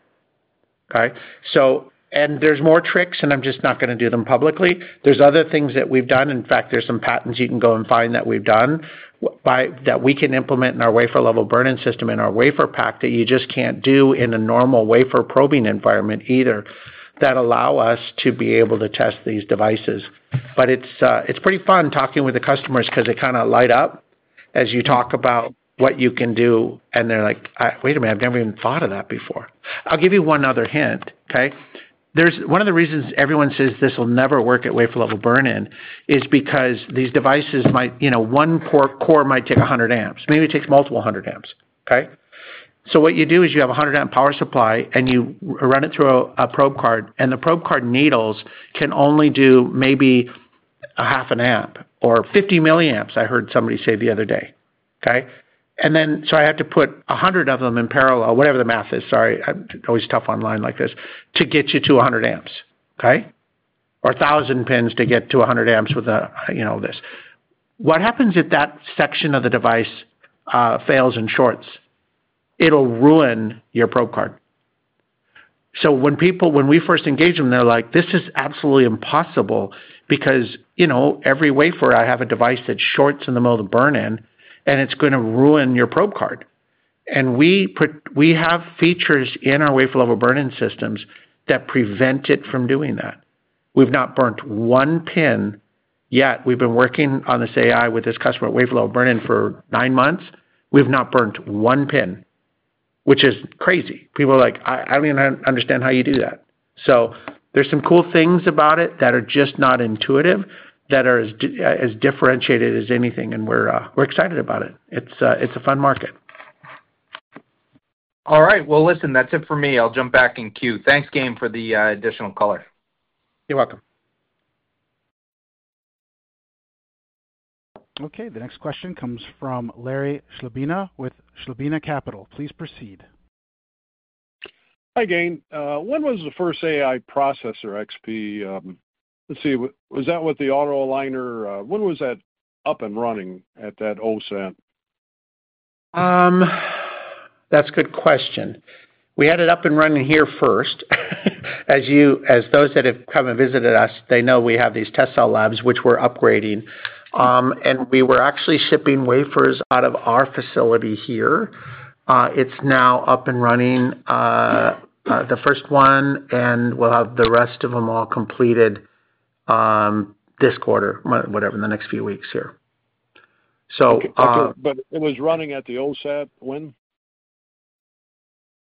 C: okay? There are more tricks, and I'm just not going to do them publicly. There are other things that we've done. In fact, there are some patents you can go and find that we've done that we can implement in our wafer-level burn-in system in our wafer pack that you just can't do in a normal wafer probing environment either that allow us to be able to test these devices. It's pretty fun talking with the customers because they kind of light up as you talk about what you can do, and they're like, "Wait a minute. I've never even thought of that before." I'll give you one other hint, okay? One of the reasons everyone says this will never work at wafer-level burn-in is because these devices might, one core might take 100 amps. Maybe it takes multiple 100 amps, okay? What you do is you have a 100-amp power supply, and you run it through a probe card. The probe card needles can only do maybe half an amp or 50 milliamps, I heard somebody say the other day, okay? I have to put 100 of them in parallel, whatever the math is. Sorry. It's always tough online like this to get you to 100 amps, okay? Or 1,000 pins to get to 100 amps with this. What happens if that section of the device fails and shorts? It'll ruin your probe card. When we first engage them, they're like, "This is absolutely impossible because every wafer, I have a device that shorts in the middle of the burning, and it's going to ruin your probe card." We have features in our wafer-level burn-in systems that prevent it from doing that. We've not burnt one pin yet. We've been working on this AI with this customer at wafer-level burn-in for nine months. We've not burnt one pin, which is crazy. People are like, "I don't even understand how you do that." There are some cool things about it that are just not intuitive, that are as differentiated as anything, and we're excited about it. It's a fun market.
F: All right. Listen, that's it for me. I'll jump back in queue. Thanks, Gayn, for the additional color.
C: You're welcome.
A: Okay. The next question comes from Larry Chlebina with Chlebina Capital. Please proceed.
G: Hi, Gayn. When was the first AI processor, XP? Let's see. Was that with the auto aligner? When was that up and running at that OSAT?
C: That's a good question. We had it up and running here first. As those that have come and visited us, they know we have these test cell labs, which we're upgrading. And we were actually shipping wafers out of our facility here. It's now up and running, the first one, and we'll have the rest of them all completed this quarter, whatever, in the next few weeks here. So.
G: But it was running at the OSAT when?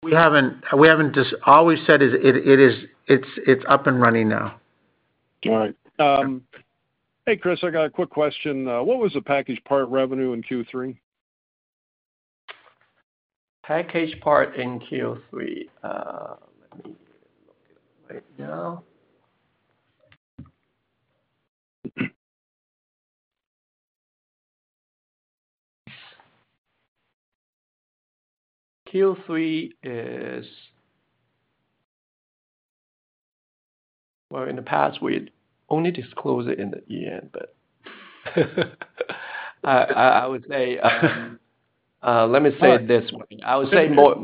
C: We haven't. All we've said is it's up and running now.
G: All right. Hey, Chris, I got a quick question. What was the package part revenue in Q3?
D: Package part in Q3. Let me look at it right now. Q3 is, in the past, we only disclose it in the end, but I would say, let me say this one. I would say more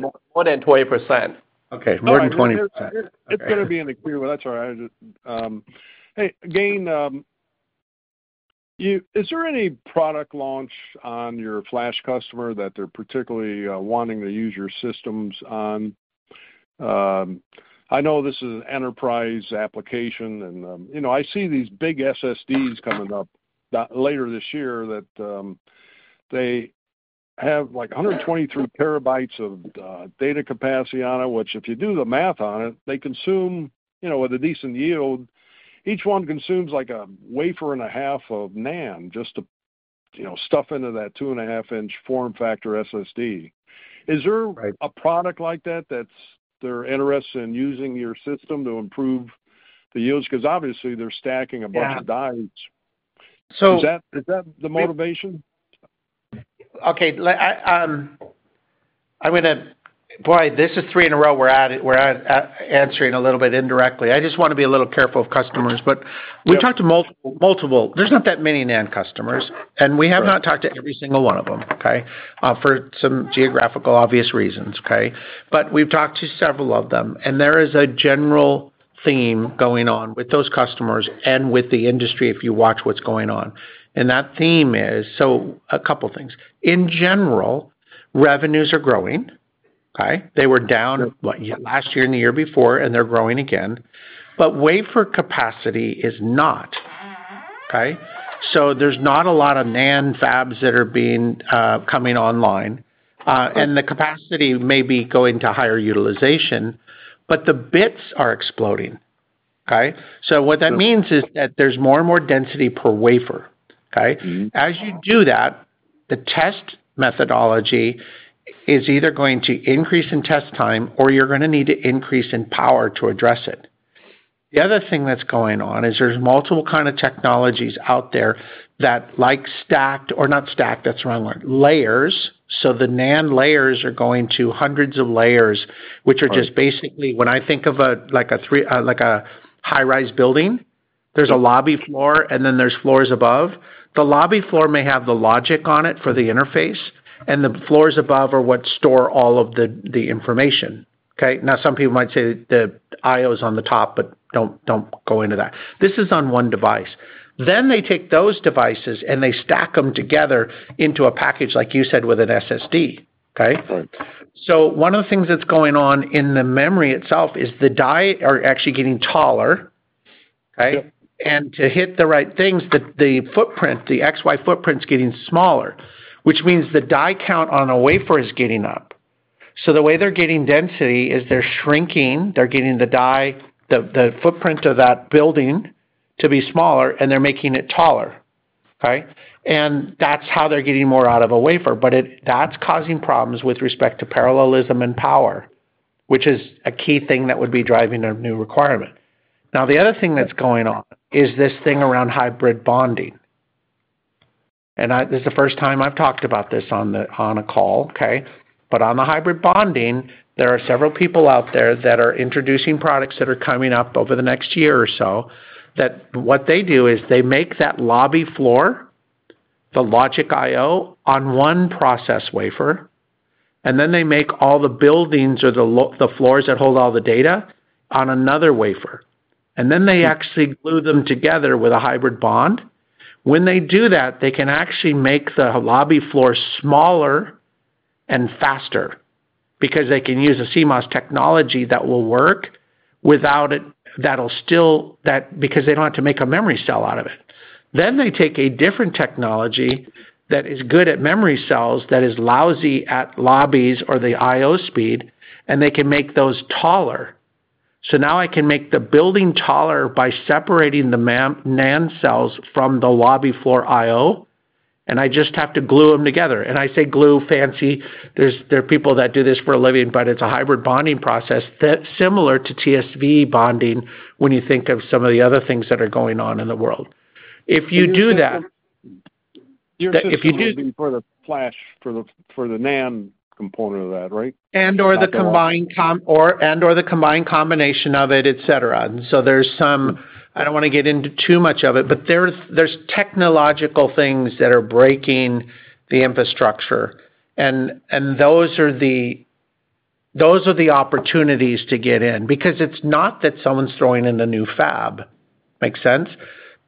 D: than 20%.
C: Okay. More than 20%.
G: It's going to be in the Q. That's all right. Hey, Gayn, is there any product launch on your flash customer that they're particularly wanting to use your systems on? I know this is an enterprise application, and I see these big SSDs coming up later this year that they have like 123 TB of data capacity on it, which if you do the math on it, they consume with a decent yield. Each one consumes like a wafer and a half of NAND just to stuff into that two and a half inch form factor SSD. Is there a product like that that's their interest in using your system to improve the yields? Because obviously, they're stacking a bunch of dies. Is that the motivation?
C: Okay. I'm going to, boy, this is three in a row. We're answering a little bit indirectly. I just want to be a little careful of customers. We talked to multiple. There's not that many NAND customers, and we have not talked to every single one of them, okay, for some geographical obvious reasons, okay? We have talked to several of them, and there is a general theme going on with those customers and with the industry if you watch what's going on. That theme is, so a couple of things. In general, revenues are growing, okay? They were down last year and the year before, and they're growing again. Wafer capacity is not, okay? There's not a lot of NAND fabs that are coming online. The capacity may be going to higher utilization, but the bits are exploding, okay? What that means is that there's more and more density per wafer, okay? As you do that, the test methodology is either going to increase in test time or you're going to need to increase in power to address it. The other thing that's going on is there's multiple kinds of technologies out there that stacked or not stacked, that's the wrong word, layers. The NAND layers are going to hundreds of layers, which are just basically when I think of a high-rise building, there's a lobby floor, and then there's floors above. The lobby floor may have the logic on it for the interface, and the floors above are what store all of the information, okay? Now, some people might say the I/O is on the top, but don't go into that. This is on one device. They take those devices and they stack them together into a package, like you said, with an SSD, okay? One of the things that's going on in the memory itself is the die are actually getting taller, okay? To hit the right things, the footprint, the XY footprint's getting smaller, which means the die count on a wafer is getting up. The way they're getting density is they're shrinking. They're getting the footprint of that building to be smaller, and they're making it taller, okay? That's how they're getting more out of a wafer. That's causing problems with respect to parallelism and power, which is a key thing that would be driving a new requirement. The other thing that's going on is this thing around hybrid bonding. This is the first time I've talked about this on a call, okay? On the hybrid bonding, there are several people out there that are introducing products that are coming up over the next year or so that what they do is they make that lobby floor, the logic I/O on one process wafer, and then they make all the buildings or the floors that hold all the data on another wafer. Then they actually glue them together with a hybrid bond. When they do that, they can actually make the lobby floor smaller and faster because they can use a CMOS technology that will work without it that'll still because they don't have to make a memory cell out of it. They take a different technology that is good at memory cells that is lousy at lobbies or the I/O speed, and they can make those taller. Now I can make the building taller by separating the NAND cells from the lobby floor I/O, and I just have to glue them together. I say glue, fancy. There are people that do this for a living, but it's a hybrid bonding process similar to TSV bonding when you think of some of the other things that are going on in the world. If you do that.
G: You're just using for the flash, for the NAND component of that, right?
C: And/or the combined combination of it, etc. There's some I don't want to get into too much of it, but there's technological things that are breaking the infrastructure. Those are the opportunities to get in because it's not that someone's throwing in a new fab. Makes sense?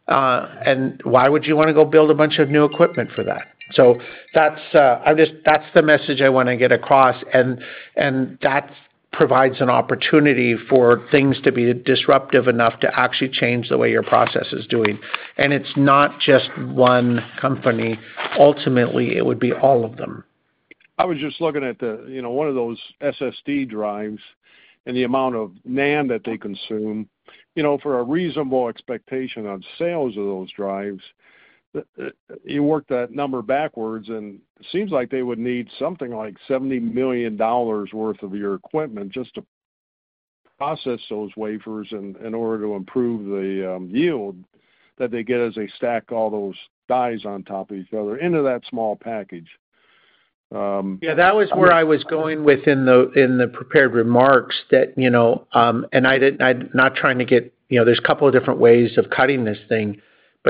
C: Why would you want to go build a bunch of new equipment for that? That's the message I want to get across. That provides an opportunity for things to be disruptive enough to actually change the way your process is doing. It's not just one company. Ultimately, it would be all of them.
G: I was just looking at one of those SSD drives and the amount of NAND that they consume for a reasonable expectation on sales of those drives. You work that number backwards, and it seems like they would need something like $70 million worth of your equipment just to process those wafers in order to improve the yield that they get as they stack all those dies on top of each other into that small package.
C: Yeah. That was where I was going within the prepared remarks that and I'm not trying to get there's a couple of different ways of cutting this thing.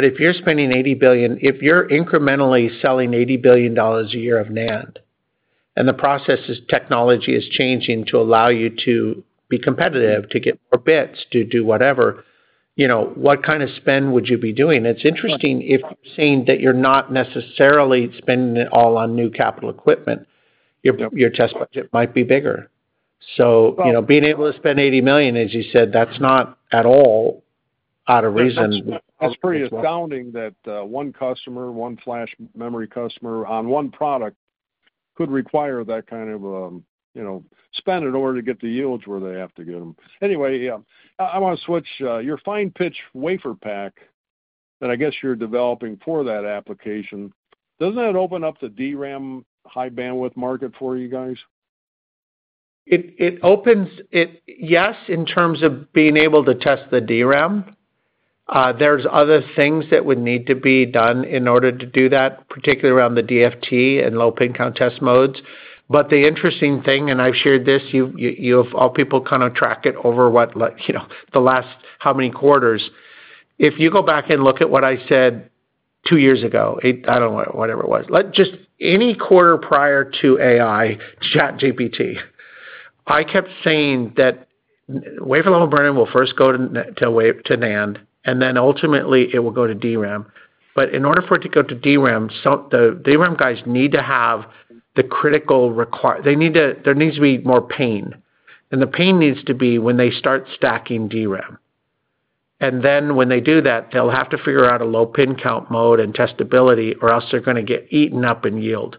C: If you're spending $80 billion, if you're incrementally selling $80 billion a year of NAND, and the process technology is changing to allow you to be competitive to get more bits to do whatever, what kind of spend would you be doing? It's interesting if you're saying that you're not necessarily spending it all on new capital equipment, your test budget might be bigger. Being able to spend $80 million, as you said, that's not at all out of reason.
G: That's pretty astounding that one customer, one flash memory customer on one product could require that kind of spend in order to get the yields where they have to get them. Anyway, I want to switch. Your fine pitch wafer pack that I guess you're developing for that application, doesn't that open up the DRAM high bandwidth market for you guys?
C: It opens, yes, in terms of being able to test the DRAM. There's other things that would need to be done in order to do that, particularly around the DFT and low pin count test modes. The interesting thing, and I've shared this, all people kind of track it over the last how many quarters. If you go back and look at what I said two years ago, I don't know whatever it was. Just any quarter prior to AI, ChatGPT, I kept saying that wafer-level burn-in will first go to NAND, and then ultimately, it will go to DRAM. In order for it to go to DRAM, the DRAM guys need to have the critical requirement. There needs to be more pain. The pain needs to be when they start stacking DRAM. When they do that, they'll have to figure out a low pin count mode and testability, or else they're going to get eaten up in yield.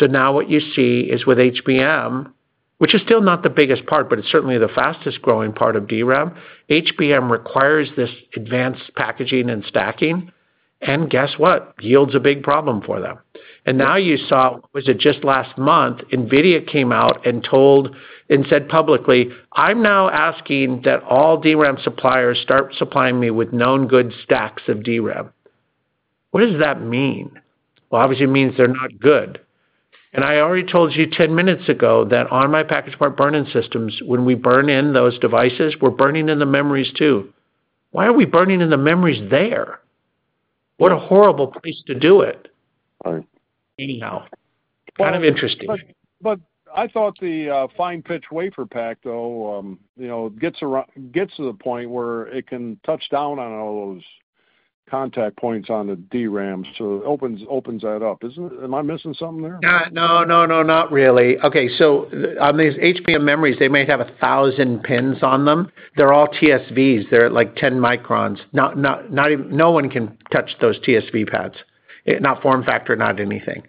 C: Now what you see is with HBM, which is still not the biggest part, but it's certainly the fastest growing part of DRAM, HBM requires this advanced packaging and stacking. Guess what? Yield's a big problem for them. You saw, was it just last month, NVIDIA came out and said publicly, "I'm now asking that all DRAM suppliers start supplying me with known good stacks of DRAM." What does that mean? Obviously, it means they're not good. I already told you 10 minutes ago that on my package part burn-in systems, when we burn in those devices, we're burning in the memories too. Why are we burning in the memories there? What a horrible place to do it. Anyhow, kind of interesting.
G: I thought the fine pitch wafer pack, though, gets to the point where it can touch down on all those contact points on the DRAM, so it opens that up. Am I missing something there?
C: No, no, no, not really. On these HBM memories, they might have 1,000 pins on them. They're all TSVs. They're like 10 microns. No one can touch those TSV pads, not FormFactor, not anything.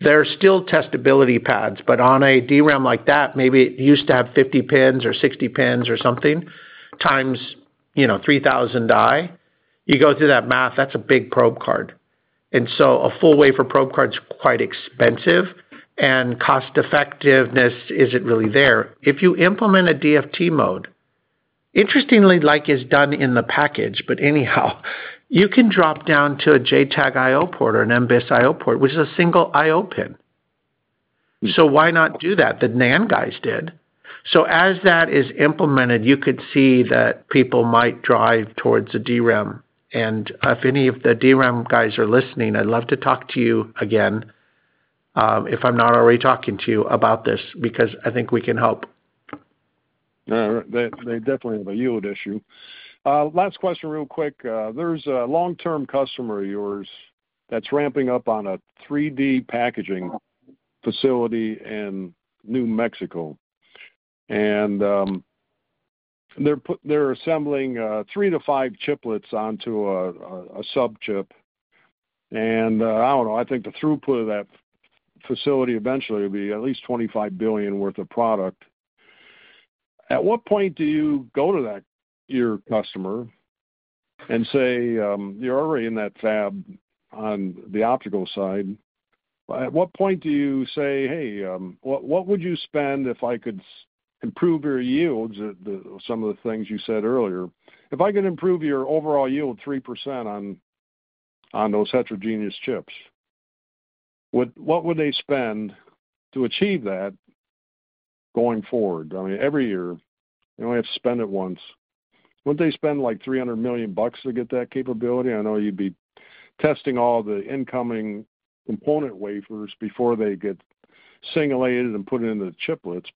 C: They're still testability pads, but on a DRAM like that, maybe it used to have 50 pins or 60 pins or something times 3,000 die. You go through that math, that's a big probe card. And so a full wafer probe card is quite expensive, and cost-effectiveness isn't really there. If you implement a DFT mode, interestingly, like is done in the package, but anyhow, you can drop down to a JTAG I/O port or an MBUS I/O port, which is a single I/O pin. So why not do that? The NAND guys did. As that is implemented, you could see that people might drive towards a DRAM. If any of the DRAM guys are listening, I'd love to talk to you again if I'm not already talking to you about this because I think we can help.
G: They definitely have a yield issue. Last question real quick. There's a long-term customer of yours that's ramping up on a 3D packaging facility in New Mexico. They're assembling three to five chiplets onto a subchip. I don't know. I think the throughput of that facility eventually will be at least $25 billion worth of product. At what point do you go to your customer and say, "You're already in that fab on the optical side"? At what point do you say, "Hey, what would you spend if I could improve your yields?" Some of the things you said earlier. If I can improve your overall yield 3% on those heterogeneous chips, what would they spend to achieve that going forward? I mean, every year, you only have to spend it once. Wouldn't they spend like $300 million to get that capability? I know you'd be testing all the incoming component wafers before they get singulated and put into the chiplets.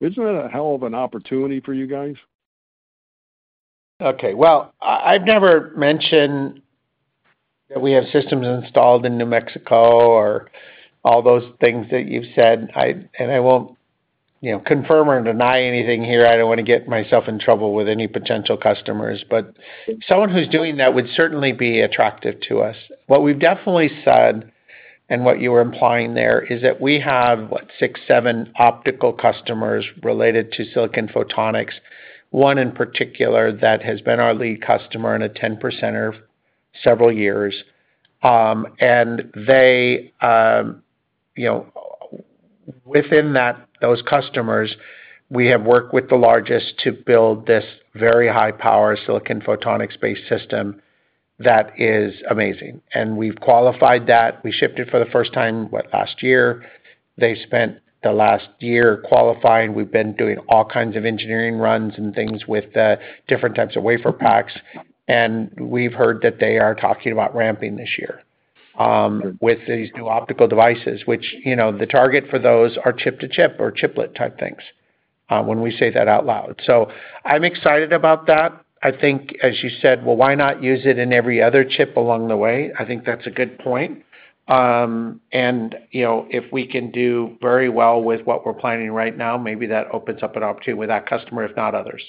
G: Isn't that a hell of an opportunity for you guys?
C: Okay. I have never mentioned that we have systems installed in New Mexico or all those things that you've said. I will not confirm or deny anything here. I do not want to get myself in trouble with any potential customers. Someone who is doing that would certainly be attractive to us. What we've definitely said, and what you were implying there, is that we have, what, six, seven optical customers related to silicon photonics, one in particular that has been our lead customer and a 10%er several years. Within those customers, we have worked with the largest to build this very high-power silicon photonics-based system that is amazing. We've qualified that. We shipped it for the first time, what, last year. They spent the last year qualifying. We've been doing all kinds of engineering runs and things with different types of wafer packs. We've heard that they are talking about ramping this year with these new optical devices, which the target for those are chip-to-chip or chiplet-type things when we say that out loud. I'm excited about that. I think, as you said, "Well, why not use it in every other chip along the way?" I think that's a good point. If we can do very well with what we're planning right now, maybe that opens up an opportunity with that customer, if not others.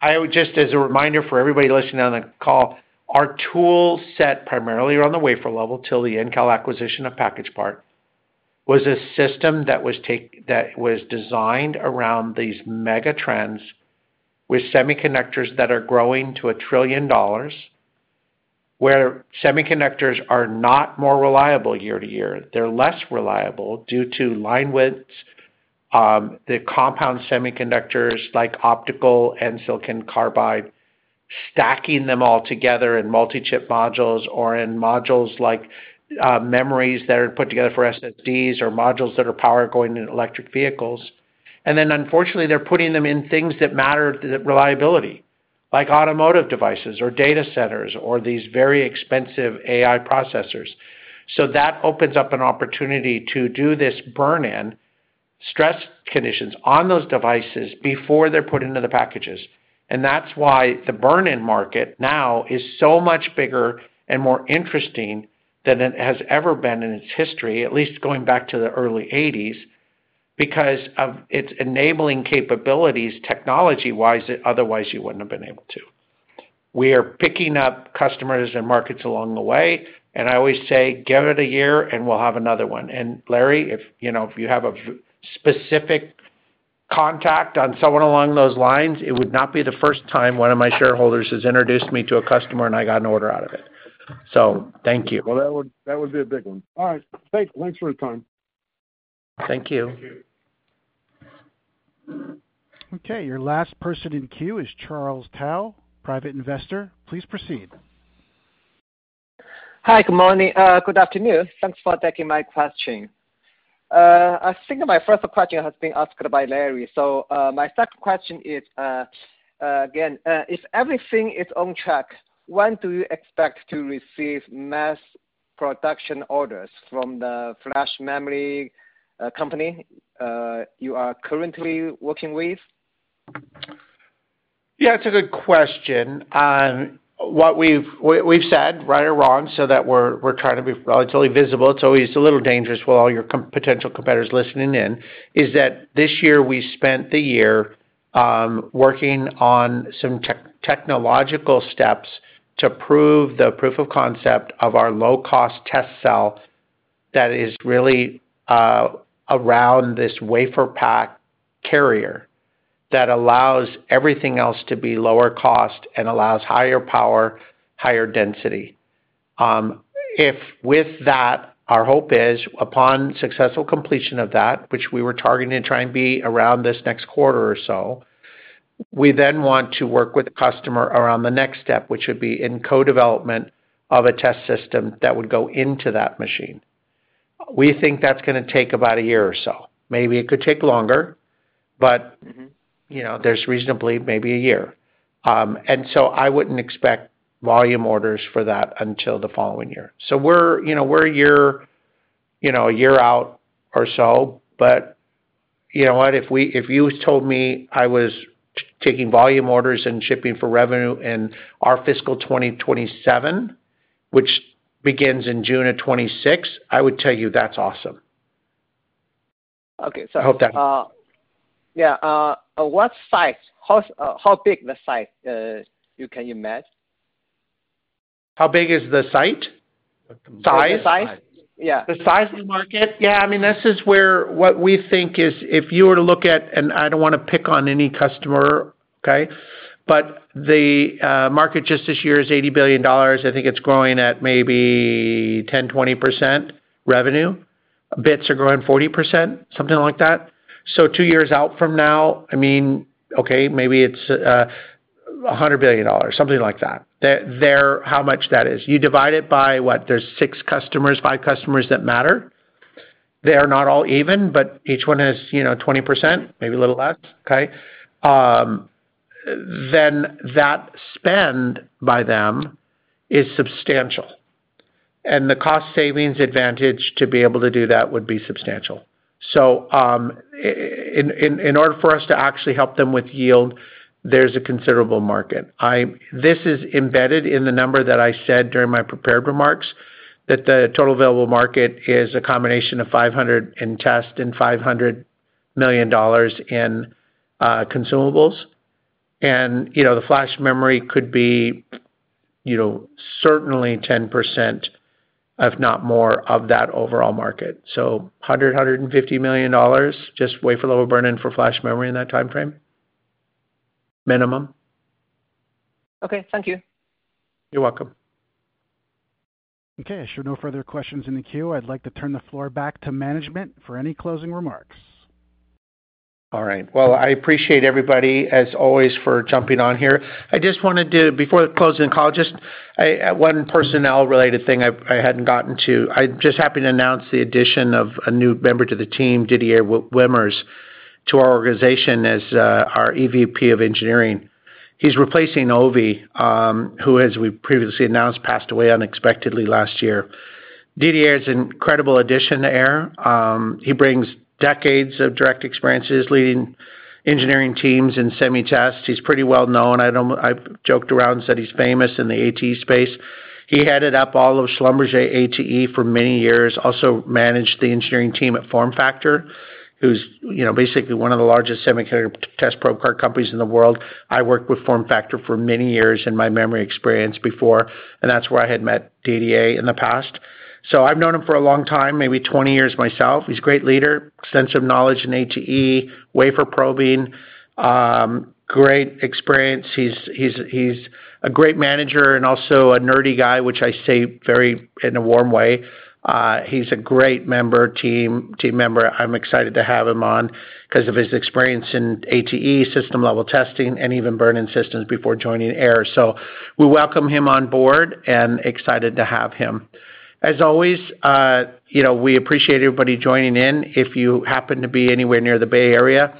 C: I would just, as a reminder for everybody listening on the call, our tool set primarily on the wafer level till the Intel acquisition of PackagePart was a system that was designed around these mega trends with semiconductors that are growing to a trillion dollars, where semiconductors are not more reliable year to year. They're less reliable due to line widths, the compound semiconductors like optical and silicon carbide, stacking them all together in multi-chip modules or in modules like memories that are put together for SSDs or modules that are power going into electric vehicles. Unfortunately, they're putting them in things that matter to reliability, like automotive devices or data centers or these very expensive AI processors. That opens up an opportunity to do this burn-in stress conditions on those devices before they're put into the packages. That's why the burn-in market now is so much bigger and more interesting than it has ever been in its history, at least going back to the early 1980s, because of its enabling capabilities technology-wise that otherwise you wouldn't have been able to. We are picking up customers and markets along the way. I always say, "Give it a year and we'll have another one." Larry, if you have a specific contact on someone along those lines, it would not be the first time one of my shareholders has introduced me to a customer and I got an order out of it. Thank you.
G: That would be a big one. All right. Thanks for your time.
C: Thank you.
D: Thank you.
A: Okay. Your last person in queue is Charles Tao, private investor. Please proceed.
H: Hi. Good morning. Good afternoon. Thanks for taking my question. I think my first question has been asked by Larry. My second question is, again, if everything is on track, when do you expect to receive mass production orders from the flash memory company you are currently working with?
C: Yeah. It's a good question. What we've said, right or wrong, is that we're trying to be relatively visible. It's always a little dangerous with all your potential competitors listening in, is that this year we spent the year working on some technological steps to prove the proof of concept of our low-cost test cell that is really around this wafer pack carrier that allows everything else to be lower cost and allows higher power, higher density. With that, our hope is, upon successful completion of that, which we were targeting to try and be around this next quarter or so, we then want to work with the customer around the next step, which would be in co-development of a test system that would go into that machine. We think that's going to take about a year or so. Maybe it could take longer, but there's reason to believe maybe a year. I wouldn't expect volume orders for that until the following year. We're a year out or so. But you know what? If you told me I was taking volume orders and shipping for revenue in our fiscal 2027, which begins in June of 2026, I would tell you that's awesome. Okay.
H: Yeah. What size? How big the site can you imagine?
C: How big is the site? Size? The size?
H: Yeah.
C: The size of the market? Yeah. I mean, this is where what we think is if you were to look at, and I don't want to pick on any customer, okay? But the market just this year is $80 billion. I think it's growing at maybe 10%-20% revenue. Bits are growing 40%, something like that. Two years out from now, I mean, okay, maybe it's $100 billion, something like that, how much that is. You divide it by what? There's six customers, five customers that matter. They are not all even, but each one has 20%, maybe a little less, okay? That spend by them is substantial. The cost savings advantage to be able to do that would be substantial. In order for us to actually help them with yield, there is a considerable market. This is embedded in the number that I said during my prepared remarks, that the total available market is a combination of $500 million in test and $500 million in consumables. The flash memory could be certainly 10%, if not more, of that overall market. $100 million-$150 million, just wafer-level burn-in for flash memory in that timeframe, minimum.
H: Okay. Thank you.
C: You're welcome.
A: If there are no further questions in the queue, I'd like to turn the floor back to management for any closing remarks.
C: All right. I appreciate everybody, as always, for jumping on here. I just wanted to, before closing the call, just one personnel-related thing I hadn't gotten to. I'm just happy to announce the addition of a new member to the team, Didier Wimmers, to our organization as our EVP of Engineering. He's replacing Avi, who, as we previously announced, passed away unexpectedly last year. Didier is an incredible addition to Aehr. He brings decades of direct experiences leading engineering teams in semi-test. He's pretty well known. I joked around and said he's famous in the ATE space. He headed up all of Schlumberger ATE for many years, also managed the engineering team at FormFactor, who's basically one of the largest semiconductor test probe card companies in the world. I worked with FormFactor for many years in my memory experience before, and that's where I had met Didier in the past. So I've known him for a long time, maybe 20 years myself. He's a great leader, extensive knowledge in ATE, wafer probing, great experience. He's a great manager and also a nerdy guy, which I say very in a warm way. He's a great member, team member. I'm excited to have him on because of his experience in ATE, system-level testing, and even burn-in systems before joining Aehr. We welcome him on board and excited to have him. As always, we appreciate everybody joining in. If you happen to be anywhere near the Bay Area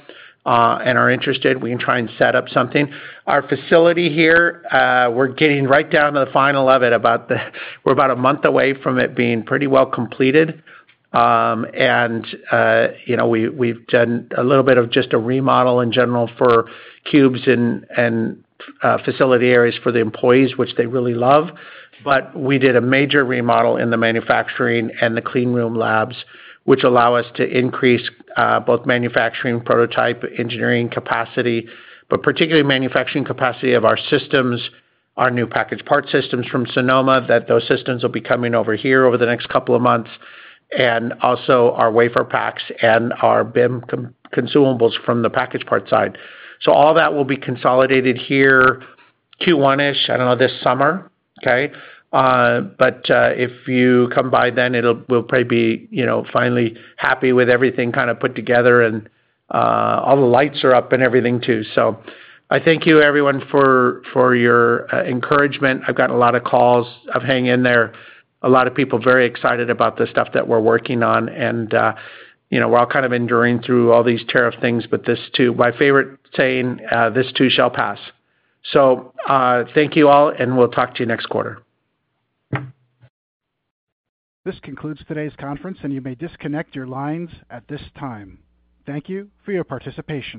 C: and are interested, we can try and set up something. Our facility here, we're getting right down to the final of it. We're about a month away from it being pretty well completed. We've done a little bit of just a remodel in general for cubes and facility areas for the employees, which they really love. We did a major remodel in the manufacturing and the cleanroom labs, which allow us to increase both manufacturing prototype engineering capacity, but particularly manufacturing capacity of our systems, our new package part systems from Sonoma, that those systems will be coming over here over the next couple of months, and also our wafer packs and our BIM consumables from the package part side. All that will be consolidated here Q1-ish, I don't know, this summer, okay? If you come by then, we'll probably be finally happy with everything kind of put together, and all the lights are up and everything too. I thank you, everyone, for your encouragement. I've gotten a lot of calls. I've hung in there. A lot of people very excited about the stuff that we're working on. We're all kind of enduring through all these tariff things, but this too, my favorite saying, "This too shall pass." Thank you all, and we'll talk to you next quarter.
A: This concludes today's conference, and you may disconnect your lines at this time. Thank you for your participation.